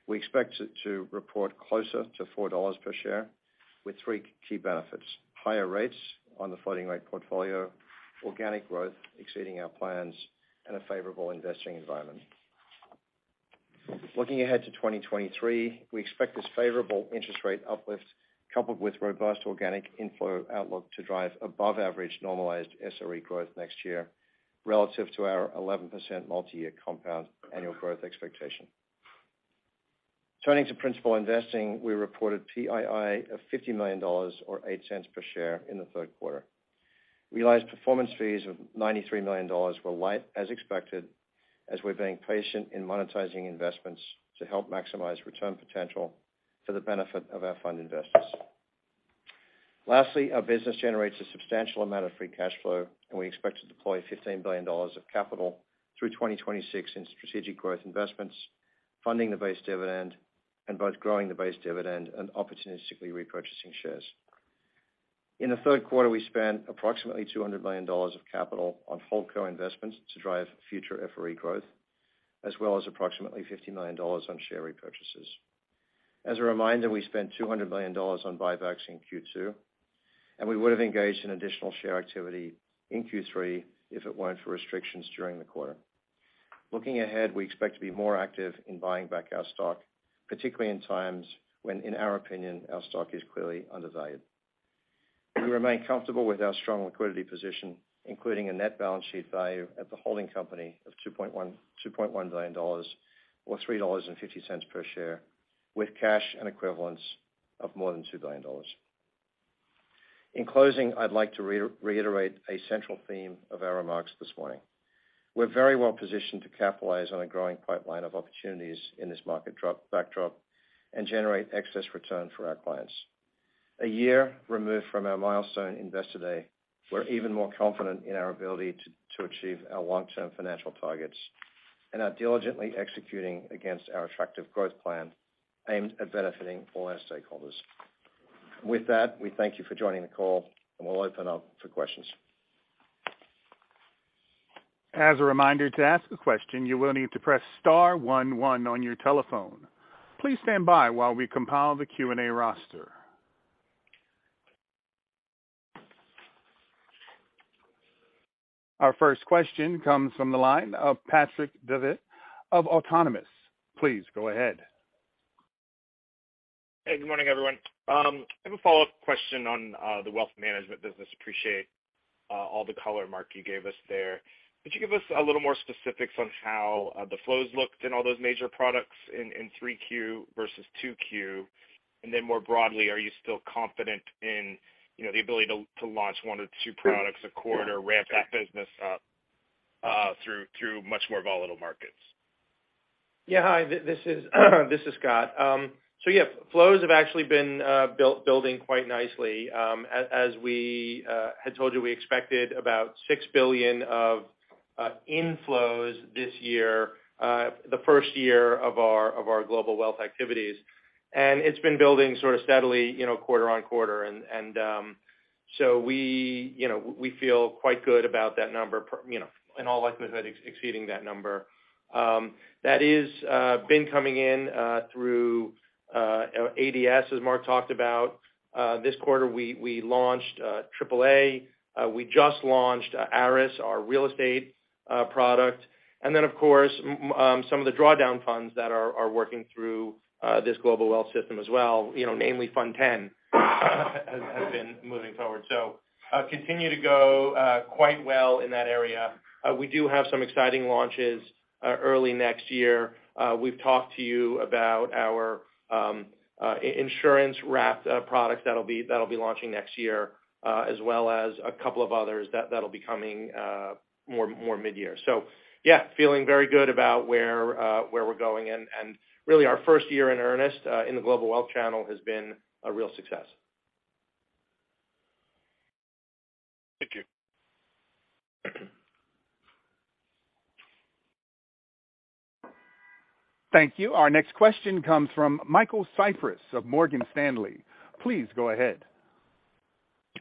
We expect to report closer to $4 per share with three key benefits, higher rates on the floating rate portfolio, organic growth exceeding our plans, and a favorable investing environment. Looking ahead to 2023, we expect this favorable interest rate uplift coupled with robust organic inflow outlook to drive above average normalized SRE growth next year relative to our 11% multiyear compound annual growth expectation. Turning to principal investing, we reported PII of $50 million or $0.08 per share in the third quarter. Realized performance fees of $93 million were light as expected as we're being patient in monetizing investments to help maximize return potential for the benefit of our fund investors. Lastly, our business generates a substantial amount of free cash flow, and we expect to deploy $15 billion of capital through 2026 in strategic growth investments, funding the base dividend, and both growing the base dividend and opportunistically repurchasing shares. In the third quarter, we spent approximately $200 million of capital on Holdco investments to drive future FRE growth as well as approximately $50 million on share repurchases. As a reminder, we spent $200 million on buybacks in Q2, and we would have engaged in additional share activity in Q3 if it weren't for restrictions during the quarter. Looking ahead, we expect to be more active in buying back our stock, particularly in times when, in our opinion, our stock is clearly undervalued. We remain comfortable with our strong liquidity position, including a net balance sheet value at the holding company of $2.1 billion or $3.50 per share, with cash and equivalents of more than $2 billion. In closing, I'd like to reiterate a central theme of our remarks this morning. We're very well positioned to capitalize on a growing pipeline of opportunities in this market backdrop and generate excess return for our clients. A year removed from our milestone Investor Day, we're even more confident in our ability to achieve our long-term financial targets and are diligently executing against our attractive growth plan aimed at benefiting all our stakeholders. With that, we thank you for joining the call, and we'll open up for questions. As a reminder, to ask a question, you will need to press star one one on your telephone. Please stand by while we compile the Q&A roster. Our first question comes from the line of Patrick Davitt of Autonomous Research. Please go ahead. Hey, good morning, everyone. I have a follow-up question on the wealth management business. Appreciate all the color, Marc, you gave us there. Could you give us a little more specifics on how the flows looked in all those major products in 3Q versus 2Q? And then more broadly, are you still confident in, you know, the ability to launch one or two products a quarter, ramp that business up through much more volatile markets? Hi, this is Scott. Flows have actually been building quite nicely. As we had told you, we expected about $6 billion of inflows this year, the first year of our global wealth activities. It's been building sort of steadily, you know, quarter-on-quarter. We feel quite good about that number, you know, in all likelihood, exceeding that number. That has been coming in through ADS, as Marc talked about. This quarter, we launched AAA. We just launched ARIS, our real estate product. Some of the drawdown funds that are working through this global wealth system as well, you know, namely Fund X, have been moving forward. Continue to go quite well in that area. We do have some exciting launches early next year. We've talked to you about our insurance-wrapped products that'll be launching next year, as well as a couple of others that'll be coming mid-year. Yeah, feeling very good about where we're going. Really our first year in earnest in the global wealth channel has been a real success. Thank you. Thank you. Our next question comes from Michael Cyprys of Morgan Stanley. Please go ahead.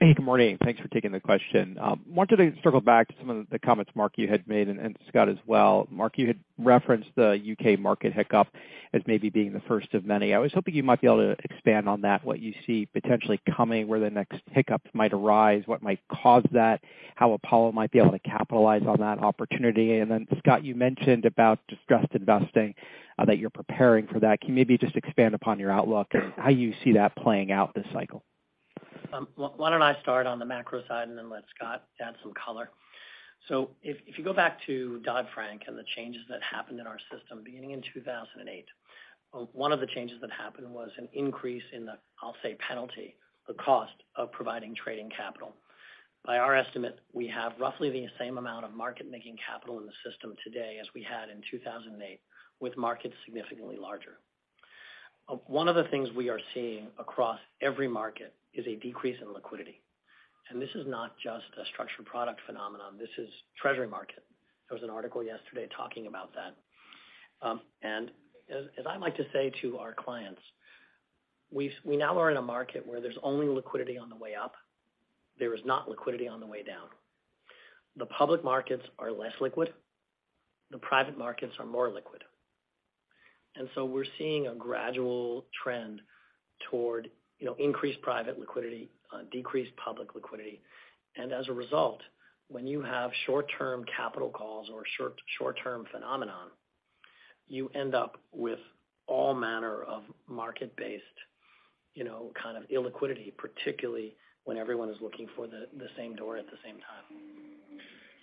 Hey, good morning. Thanks for taking the question. Wanted to circle back to some of the comments, Marc, you had made, and Scott as well. Marc, you had referenced the U.K. market hiccup as maybe being the first of many. I was hoping you might be able to expand on that, what you see potentially coming, where the next hiccups might arise, what might cause that, how Apollo might be able to capitalize on that opportunity. Scott, you mentioned about distressed investing that you're preparing for that. Can you maybe just expand upon your outlook and how you see that playing out this cycle? Why don't I start on the macro side and then let Scott add some color. If you go back to Dodd-Frank and the changes that happened in our system beginning in 2008, one of the changes that happened was an increase in the, I'll say, penalty, the cost of providing trading capital. By our estimate, we have roughly the same amount of market-making capital in the system today as we had in 2008, with markets significantly larger. One of the things we are seeing across every market is a decrease in liquidity. This is not just a structured product phenomenon, this is treasury market. There was an article yesterday talking about that. As I like to say to our clients, we now are in a market where there's only liquidity on the way up. There is no liquidity on the way down. The public markets are less liquid, the private markets are more liquid. We're seeing a gradual trend toward, you know, increased private liquidity, decreased public liquidity. As a result, when you have short-term capital calls or short-term phenomenon, you end up with all manner of market-based, you know, kind of illiquidity, particularly when everyone is looking for the same door at the same time.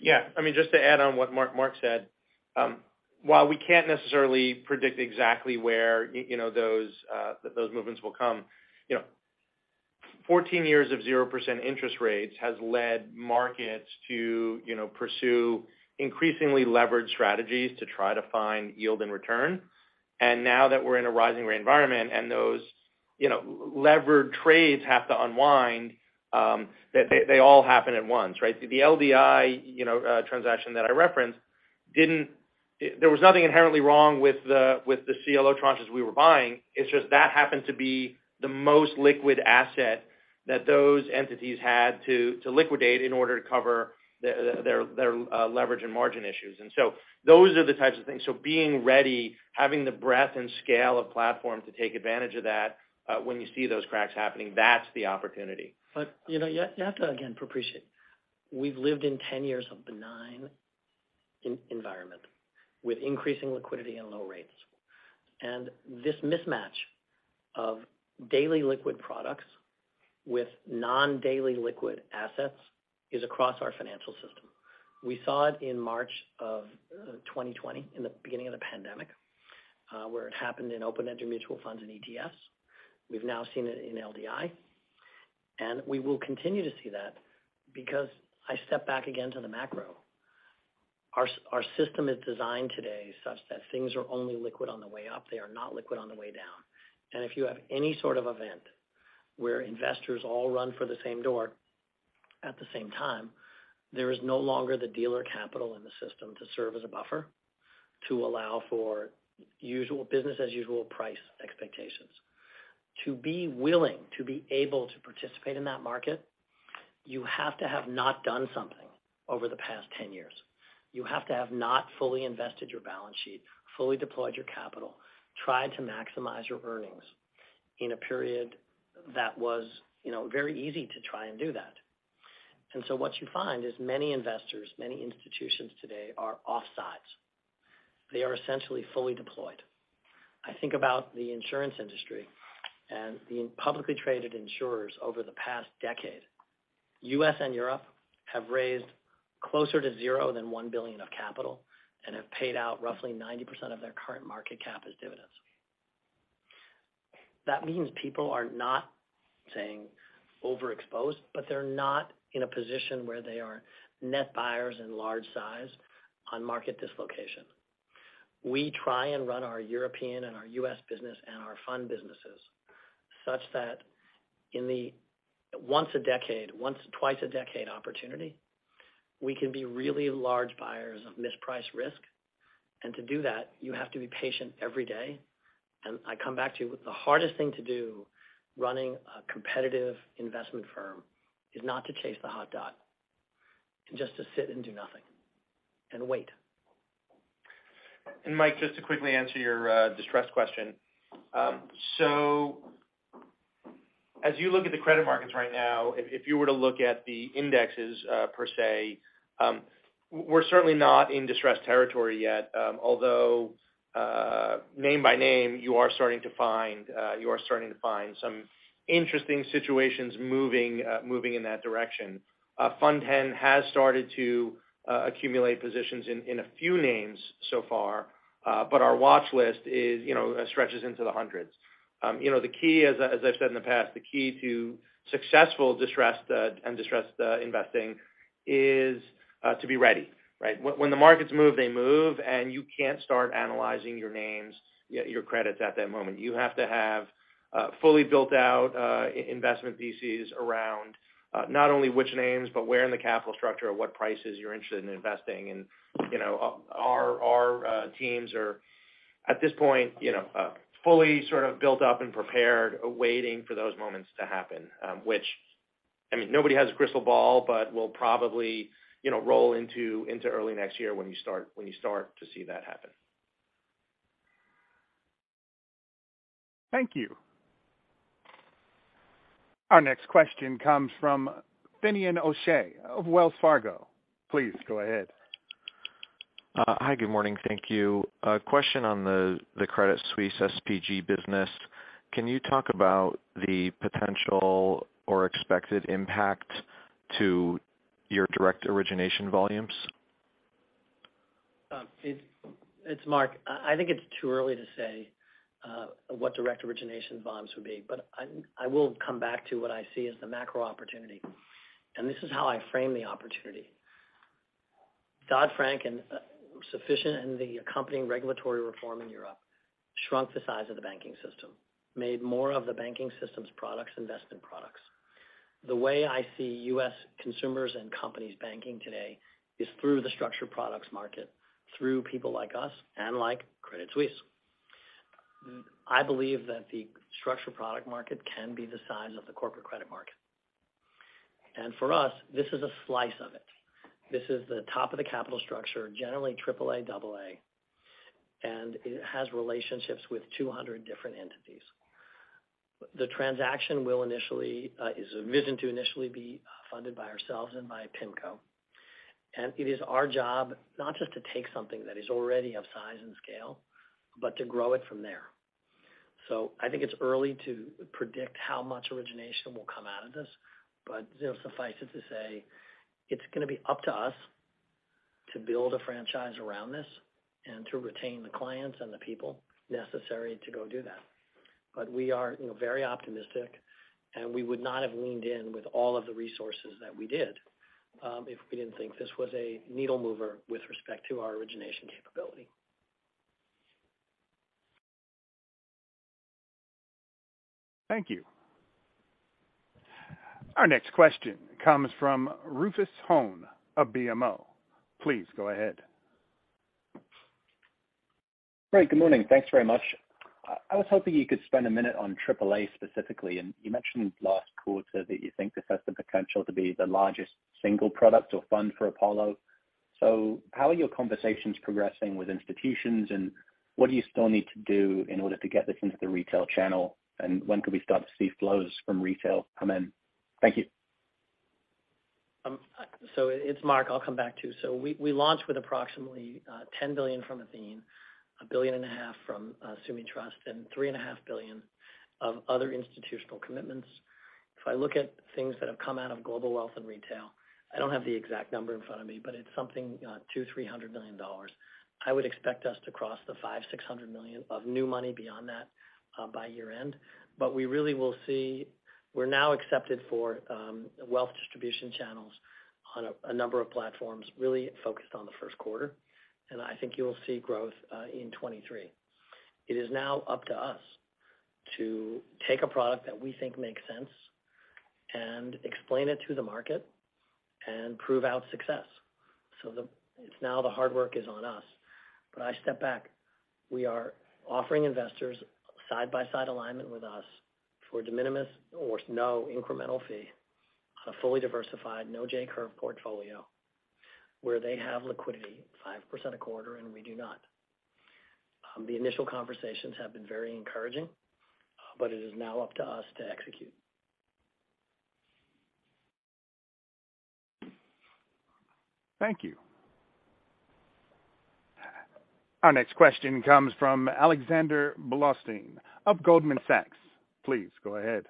Yeah. I mean, just to add on what Marc said, while we can't necessarily predict exactly where, you know, those movements will come, you know, 14 years of 0% interest rates has led markets to, you know, pursue increasingly leveraged strategies to try to find yield and return. Now that we're in a rising rate environment and those, you know, levered trades have to unwind, they all happen at once, right? The LDI transaction that I referenced didn't. There was nothing inherently wrong with the CLO tranches we were buying. It's just that happened to be the most liquid asset that those entities had to liquidate in order to cover their leverage and margin issues. Those are the types of things. Being ready, having the breadth and scale of platform to take advantage of that, when you see those cracks happening, that's the opportunity. You know, you have to again appreciate, we've lived in 10 years of benign environment with increasing liquidity and low rates. This mismatch of daily liquid products with non-daily liquid assets is across our financial system. We saw it in March of 2020 in the beginning of the pandemic, where it happened in open-ended mutual funds and ETFs. We've now seen it in LDI, and we will continue to see that because I step back again to the macro. Our system is designed today such that things are only liquid on the way up. They are not liquid on the way down. If you have any sort of event where investors all run for the same door at the same time, there is no longer the dealer capital in the system to serve as a buffer to allow for business as usual price expectations. To be willing to be able to participate in that market, you have to have not done something over the past 10 years. You have to have not fully invested your balance sheet, fully deployed your capital, tried to maximize your earnings in a period that was, you know, very easy to try and do that. What you find is many investors, many institutions today are offsides. They are essentially fully deployed. I think about the insurance industry and the publicly traded insurers over the past decade. U.S. and Europe have raised closer to zero than $1 billion of capital and have paid out roughly 90% of their current market cap as dividends. That means people are not saying overexposed, but they're not in a position where they are net buyers in large size on market dislocation. We try and run our European and our U.S. business and our fund businesses such that in the once-a-decade, once or twice-a-decade opportunity, we can be really large buyers of mispriced risk. To do that, you have to be patient every day. I come back to the hardest thing to do running a competitive investment firm is not to chase the hot dot, and just to sit and do nothing and wait. Michael Cyprys, just to quickly answer your distressed question. As you look at the credit markets right now, if you were to look at the indexes per se, we're certainly not in distressed territory yet. Although name by name, you are starting to find some interesting situations moving in that direction. Fund X has started to accumulate positions in a few names so far, but our watch list is, you know, stretches into the hundreds. You know, the key, as I said in the past, the key to successful distressed investing is to be ready, right? When the markets move, they move, and you can't start analyzing your names, your credits at that moment. You have to have fully built out investment theses around not only which names, but where in the capital structure or what prices you're interested in investing. You know, our teams are at this point, you know, fully sort of built up and prepared, waiting for those moments to happen, which, I mean, nobody has a crystal ball, but we'll probably, you know, roll into early next year when you start to see that happen. Thank you. Our next question comes from Finian O'Shea of Wells Fargo. Please go ahead. Hi, good morning. Thank you. A question on the Credit Suisse SPG business. Can you talk about the potential or expected impact to your direct origination volumes? It's Marc. I think it's too early to say what direct origination volumes would be, but I will come back to what I see as the macro opportunity. This is how I frame the opportunity. Dodd-Frank and the Volcker and the accompanying regulatory reform in Europe shrunk the size of the banking system, made more of the banking system's products investment products. The way I see U.S. consumers and companies banking today is through the structured products market, through people like us and like Credit Suisse. I believe that the structured product market can be the size of the corporate credit market. For us, this is a slice of it. This is the top of the capital structure, generally AAA, AA, and it has relationships with 200 different entities. The transaction is envisioned to initially be funded by ourselves and by PIMCO. It is our job not just to take something that is already of size and scale, but to grow it from there. I think it's early to predict how much origination will come out of this, but, you know, suffice it to say, it's gonna be up to us to build a franchise around this and to retain the clients and the people necessary to go do that. We are, you know, very optimistic, and we would not have leaned in with all of the resources that we did, if we didn't think this was a needle mover with respect to our origination capability. Thank you. Our next question comes from Rufus Hone of BMO. Please go ahead. Great. Good morning. Thanks very much. I was hoping you could spend a minute on AAA specifically. You mentioned last quarter that you think this has the potential to be the largest single product or fund for Apollo. How are your conversations progressing with institutions, and what do you still need to do in order to get this into the retail channel? When could we start to see flows from retail come in? Thank you. It's Marc, I'll come back to you. We launched with approximately $10 billion from Athene, $1.5 billion from Sumitomo Mitsui Trust, and $3.5 billion of other institutional commitments. If I look at things that have come out of global wealth and retail, I don't have the exact number in front of me, but it's something $200 million-$300 million. I would expect us to cross the $500 million-$600 million of new money beyond that by year-end. But we really will see. We're now accepted for wealth distribution channels on a number of platforms, really focused on the first quarter. I think you'll see growth in 2023. It is now up to us to take a product that we think makes sense and explain it to the market and prove out success. It's now the hard work is on us. I step back. We are offering investors side-by-side alignment with us for de minimis or no incremental fee on a fully diversified, no J-curve portfolio where they have liquidity 5% a quarter, and we do not. The initial conversations have been very encouraging, but it is now up to us to execute. Thank you. Our next question comes from Alexander Blostein of Goldman Sachs. Please go ahead.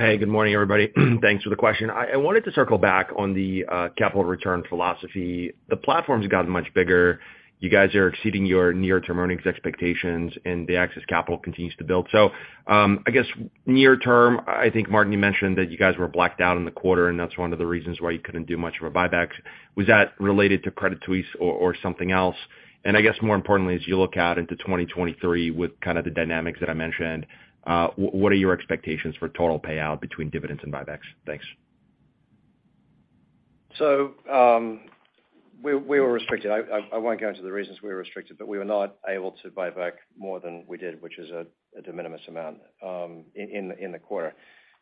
Hey, good morning, everybody. Thanks for the question. I wanted to circle back on the capital return philosophy. The platform's gotten much bigger. You guys are exceeding your near-term earnings expectations, and the excess capital continues to build. I guess near term, I think, Martin, you mentioned that you guys were blacked out in the quarter, and that's one of the reasons why you couldn't do much of a buyback. Was that related to Credit Suisse or something else? I guess more importantly, as you look out into 2023 with kind of the dynamics that I mentioned, what are your expectations for total payout between dividends and buybacks? Thanks. We were restricted. I won't go into the reasons we were restricted, but we were not able to buy back more than we did, which is a de minimis amount in the quarter.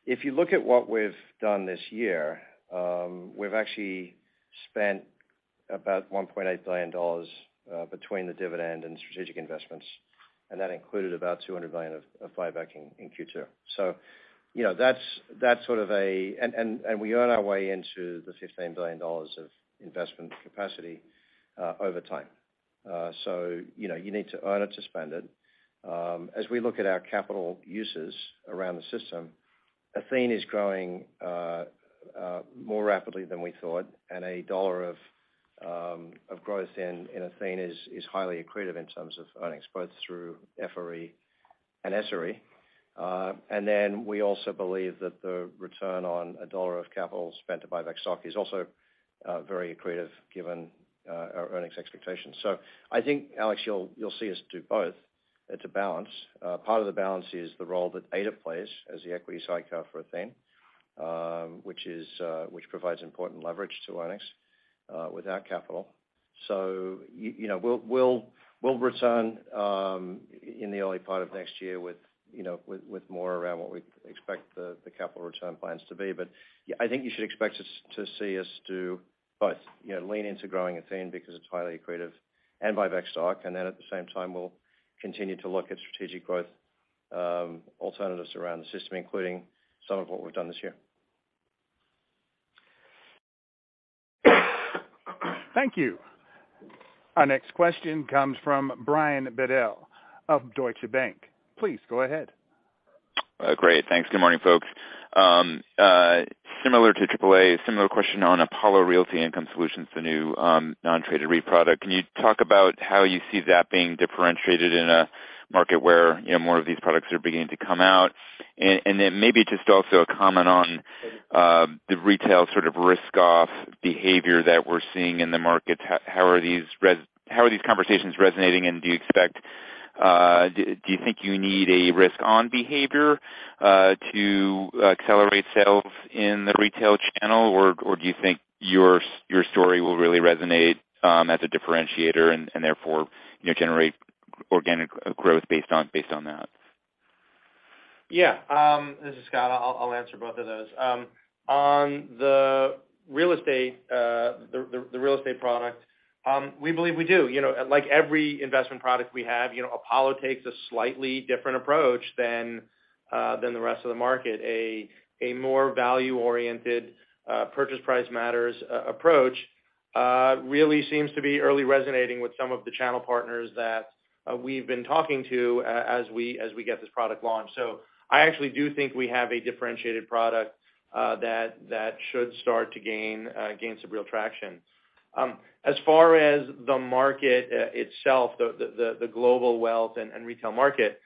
If you look at what we've done this year, we've actually spent about $1.8 billion between the dividend and strategic investments, and that included about $200 million of buyback in Q2. You know, that's sort of a, and we earn our way into the $15 billion of investment capacity over time. You know, you need to earn it to spend it. As we look at our capital uses around the system, Athene is growing more rapidly than we thought, and a dollar of growth in Athene is highly accretive in terms of earnings, both through FRE and SRE. We also believe that the return on a dollar of capital spent to buy back stock is also very accretive given our earnings expectations. I think, Alex, you'll see us do both. It's a balance. Part of the balance is the role that ADIP plays as the equity sidecar for Athene, which provides important leverage to earnings without capital. You know, we'll return in the early part of next year with you know, with more around what we expect the capital return plans to be. Yeah, I think you should expect us to see us do both. You know, lean into growing Athene because it's highly accretive and buy back stock. Then at the same time, we'll continue to look at strategic growth, alternatives around the system, including some of what we've done this year. Thank you. Our next question comes from Brian Bedell of Deutsche Bank. Please go ahead. Great. Thanks. Good morning, folks. Similar to AAA, similar question on Apollo Realty Income Solutions, the new non-traded REIT product. Can you talk about how you see that being differentiated in a market where, you know, more of these products are beginning to come out? Then maybe just also a comment on the retail sort of risk off behavior that we're seeing in the markets. How are these conversations resonating, and do you expect, do you think you need a risk on behavior to accelerate sales in the retail channel? Or do you think your story will really resonate as a differentiator and therefore, you know, generate organic growth based on that? Yeah. This is Scott. I'll answer both of those. On the real estate, the real estate product, we believe we do. You know, like every investment product we have, you know, Apollo takes a slightly different approach than the rest of the market. A more value-oriented purchase price matters approach really seems to be already resonating with some of the channel partners that we've been talking to as we get this product launched. I actually do think we have a differentiated product that should start to gain some real traction. As far as the market itself, the global wealth and retail market,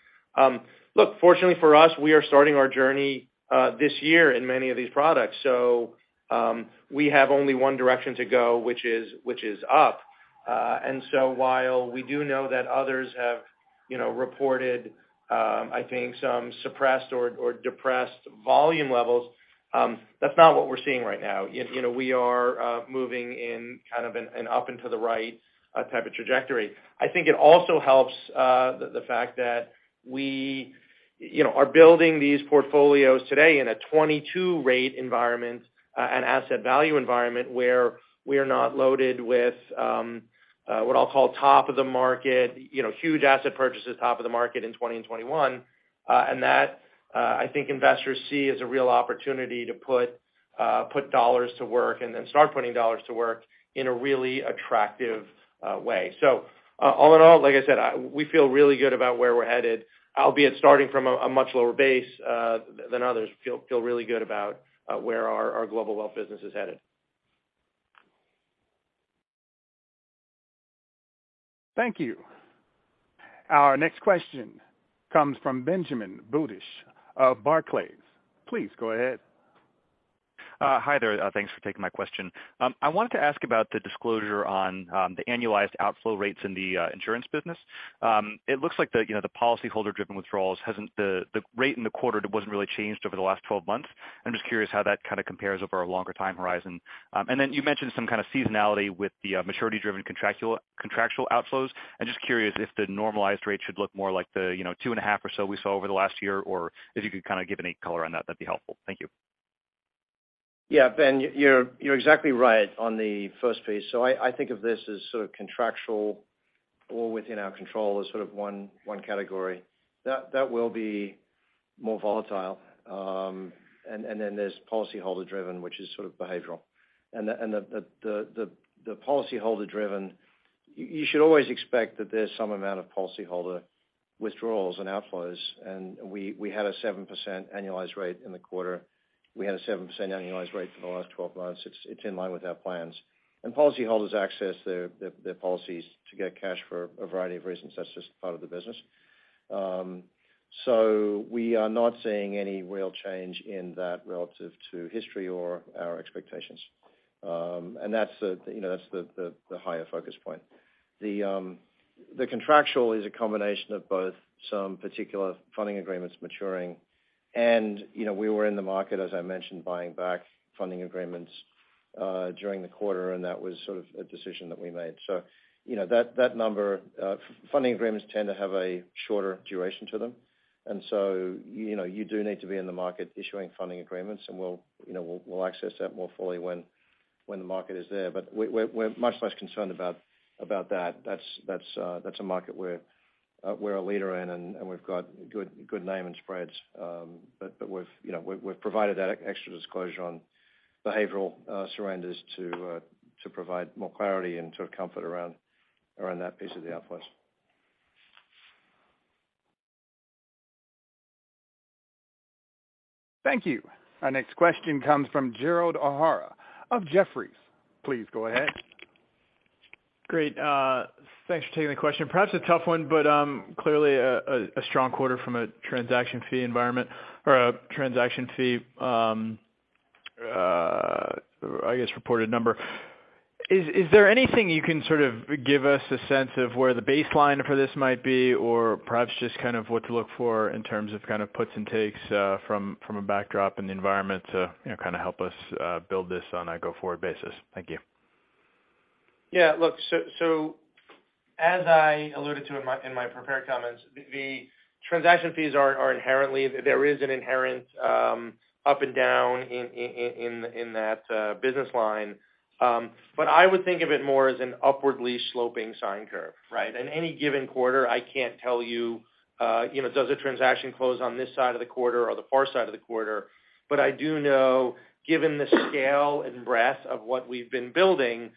look, fortunately for us, we are starting our journey this year in many of these products, so we have only one direction to go, which is up. While we do know that others have, you know, reported, I think some suppressed or depressed volume levels. That's not what we're seeing right now. You know, we are moving in kind of an up and to the right type of trajectory. I think it also helps the fact that we, you know, are building these portfolios today in a 2022 rate environment and asset value environment where we are not loaded with what I'll call top of the market, you know, huge asset purchases top of the market in 2020 and 2021. That, I think investors see as a real opportunity to put dollars to work and then start putting dollars to work in a really attractive way. All in all, like I said, we feel really good about where we're headed, albeit starting from a much lower base than others. Feel really good about where our global wealth business is headed. Thank you. Our next question comes from Benjamin Budish of Barclays. Please go ahead. Hi there. Thanks for taking my question. I wanted to ask about the disclosure on the annualized outflow rates in the insurance business. It looks like the, you know, the policyholder-driven withdrawals. The rate in the quarter wasn't really changed over the last 12 months. I'm just curious how that kinda compares over a longer time horizon. Then you mentioned some kinda seasonality with the maturity-driven contractual outflows. I'm just curious if the normalized rate should look more like the, you know, 2.5% or so we saw over the last year, or if you could kinda give any color on that'd be helpful. Thank you. Yeah. Ben, you're exactly right on the first piece. I think of this as sort of contractual or within our control as sort of one category. That will be more volatile. Then there's policyholder-driven, which is sort of behavioral, and the policyholder-driven. You should always expect that there's some amount of policyholder withdrawals and outflows, and we had a 7% annualized rate in the quarter. We had a 7% annualized rate for the last 12 months. It's in line with our plans. Policyholders access their policies to get cash for a variety of reasons. That's just part of the business. We are not seeing any real change in that relative to history or our expectations. That's the, you know, higher focus point. The contractual is a combination of both some particular funding agreements maturing, and you know, we were in the market, as I mentioned, buying back funding agreements during the quarter, and that was sort of a decision that we made. You know, that number, funding agreements tend to have a shorter duration to them. You know, you do need to be in the market issuing funding agreements, and we'll access that more fully when the market is there. We're much less concerned about that. That's a market we're a leader in, and we've got good name and spreads.you know, we've provided that extra disclosure on behavioral surrenders to provide more clarity and sort of comfort around that piece of the outflows. Thank you. Our next question comes from Gerald O'Hara of Jefferies. Please go ahead. Great. Thanks for taking the question. Perhaps a tough one, but clearly a strong quarter from a transaction fee environment or a transaction fee, I guess, reported number. Is there anything you can sort of give us a sense of where the baseline for this might be, or perhaps just kind of what to look for in terms of kind of puts and takes, from a backdrop in the environment to, you know, kind of help us build this on a go-forward basis? Thank you. Look, so as I alluded to in my prepared comments, the transaction fees are inherently. There is an inherent up and down in that business line. I would think of it more as an upwardly sloping sine curve, right? In any given quarter, I can't tell you know, does a transaction close on this side of the quarter or the far side of the quarter? I do know, given the scale and breadth of what we've been building,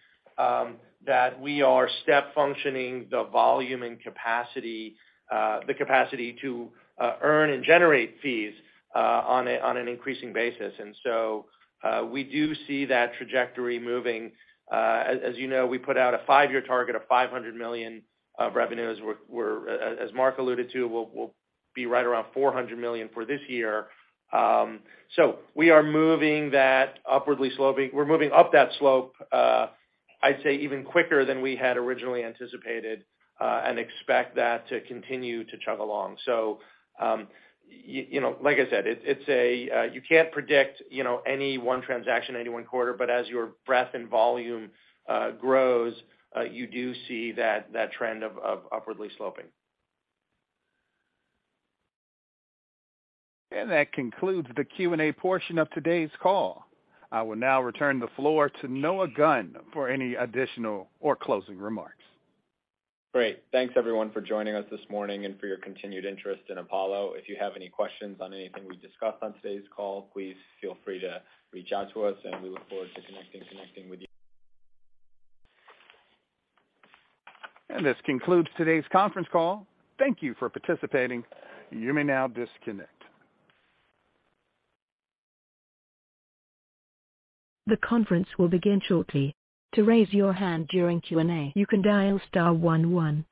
that we are step functioning the volume and capacity, the capacity to earn and generate fees on an increasing basis. We do see that trajectory moving. As you know, we put out a five-year target of $500 million of revenues. As Marc alluded to, we'll be right around $400 million for this year. We are moving that upwardly sloping. We're moving up that slope, I'd say even quicker than we had originally anticipated, and expect that to continue to chug along. You know, like I said, it's a, you can't predict, you know, any one transaction, any one quarter, but as your breadth and volume grows, you do see that trend of upwardly sloping. That concludes the Q&A portion of today's call. I will now return the floor to Noah Gunn for any additional or closing remarks. Great. Thanks, everyone, for joining us this morning and for your continued interest in Apollo. If you have any questions on anything we discussed on today's call, please feel free to reach out to us, and we look forward to connecting with you. This concludes today's conference call. Thank you for participating. You may now disconnect.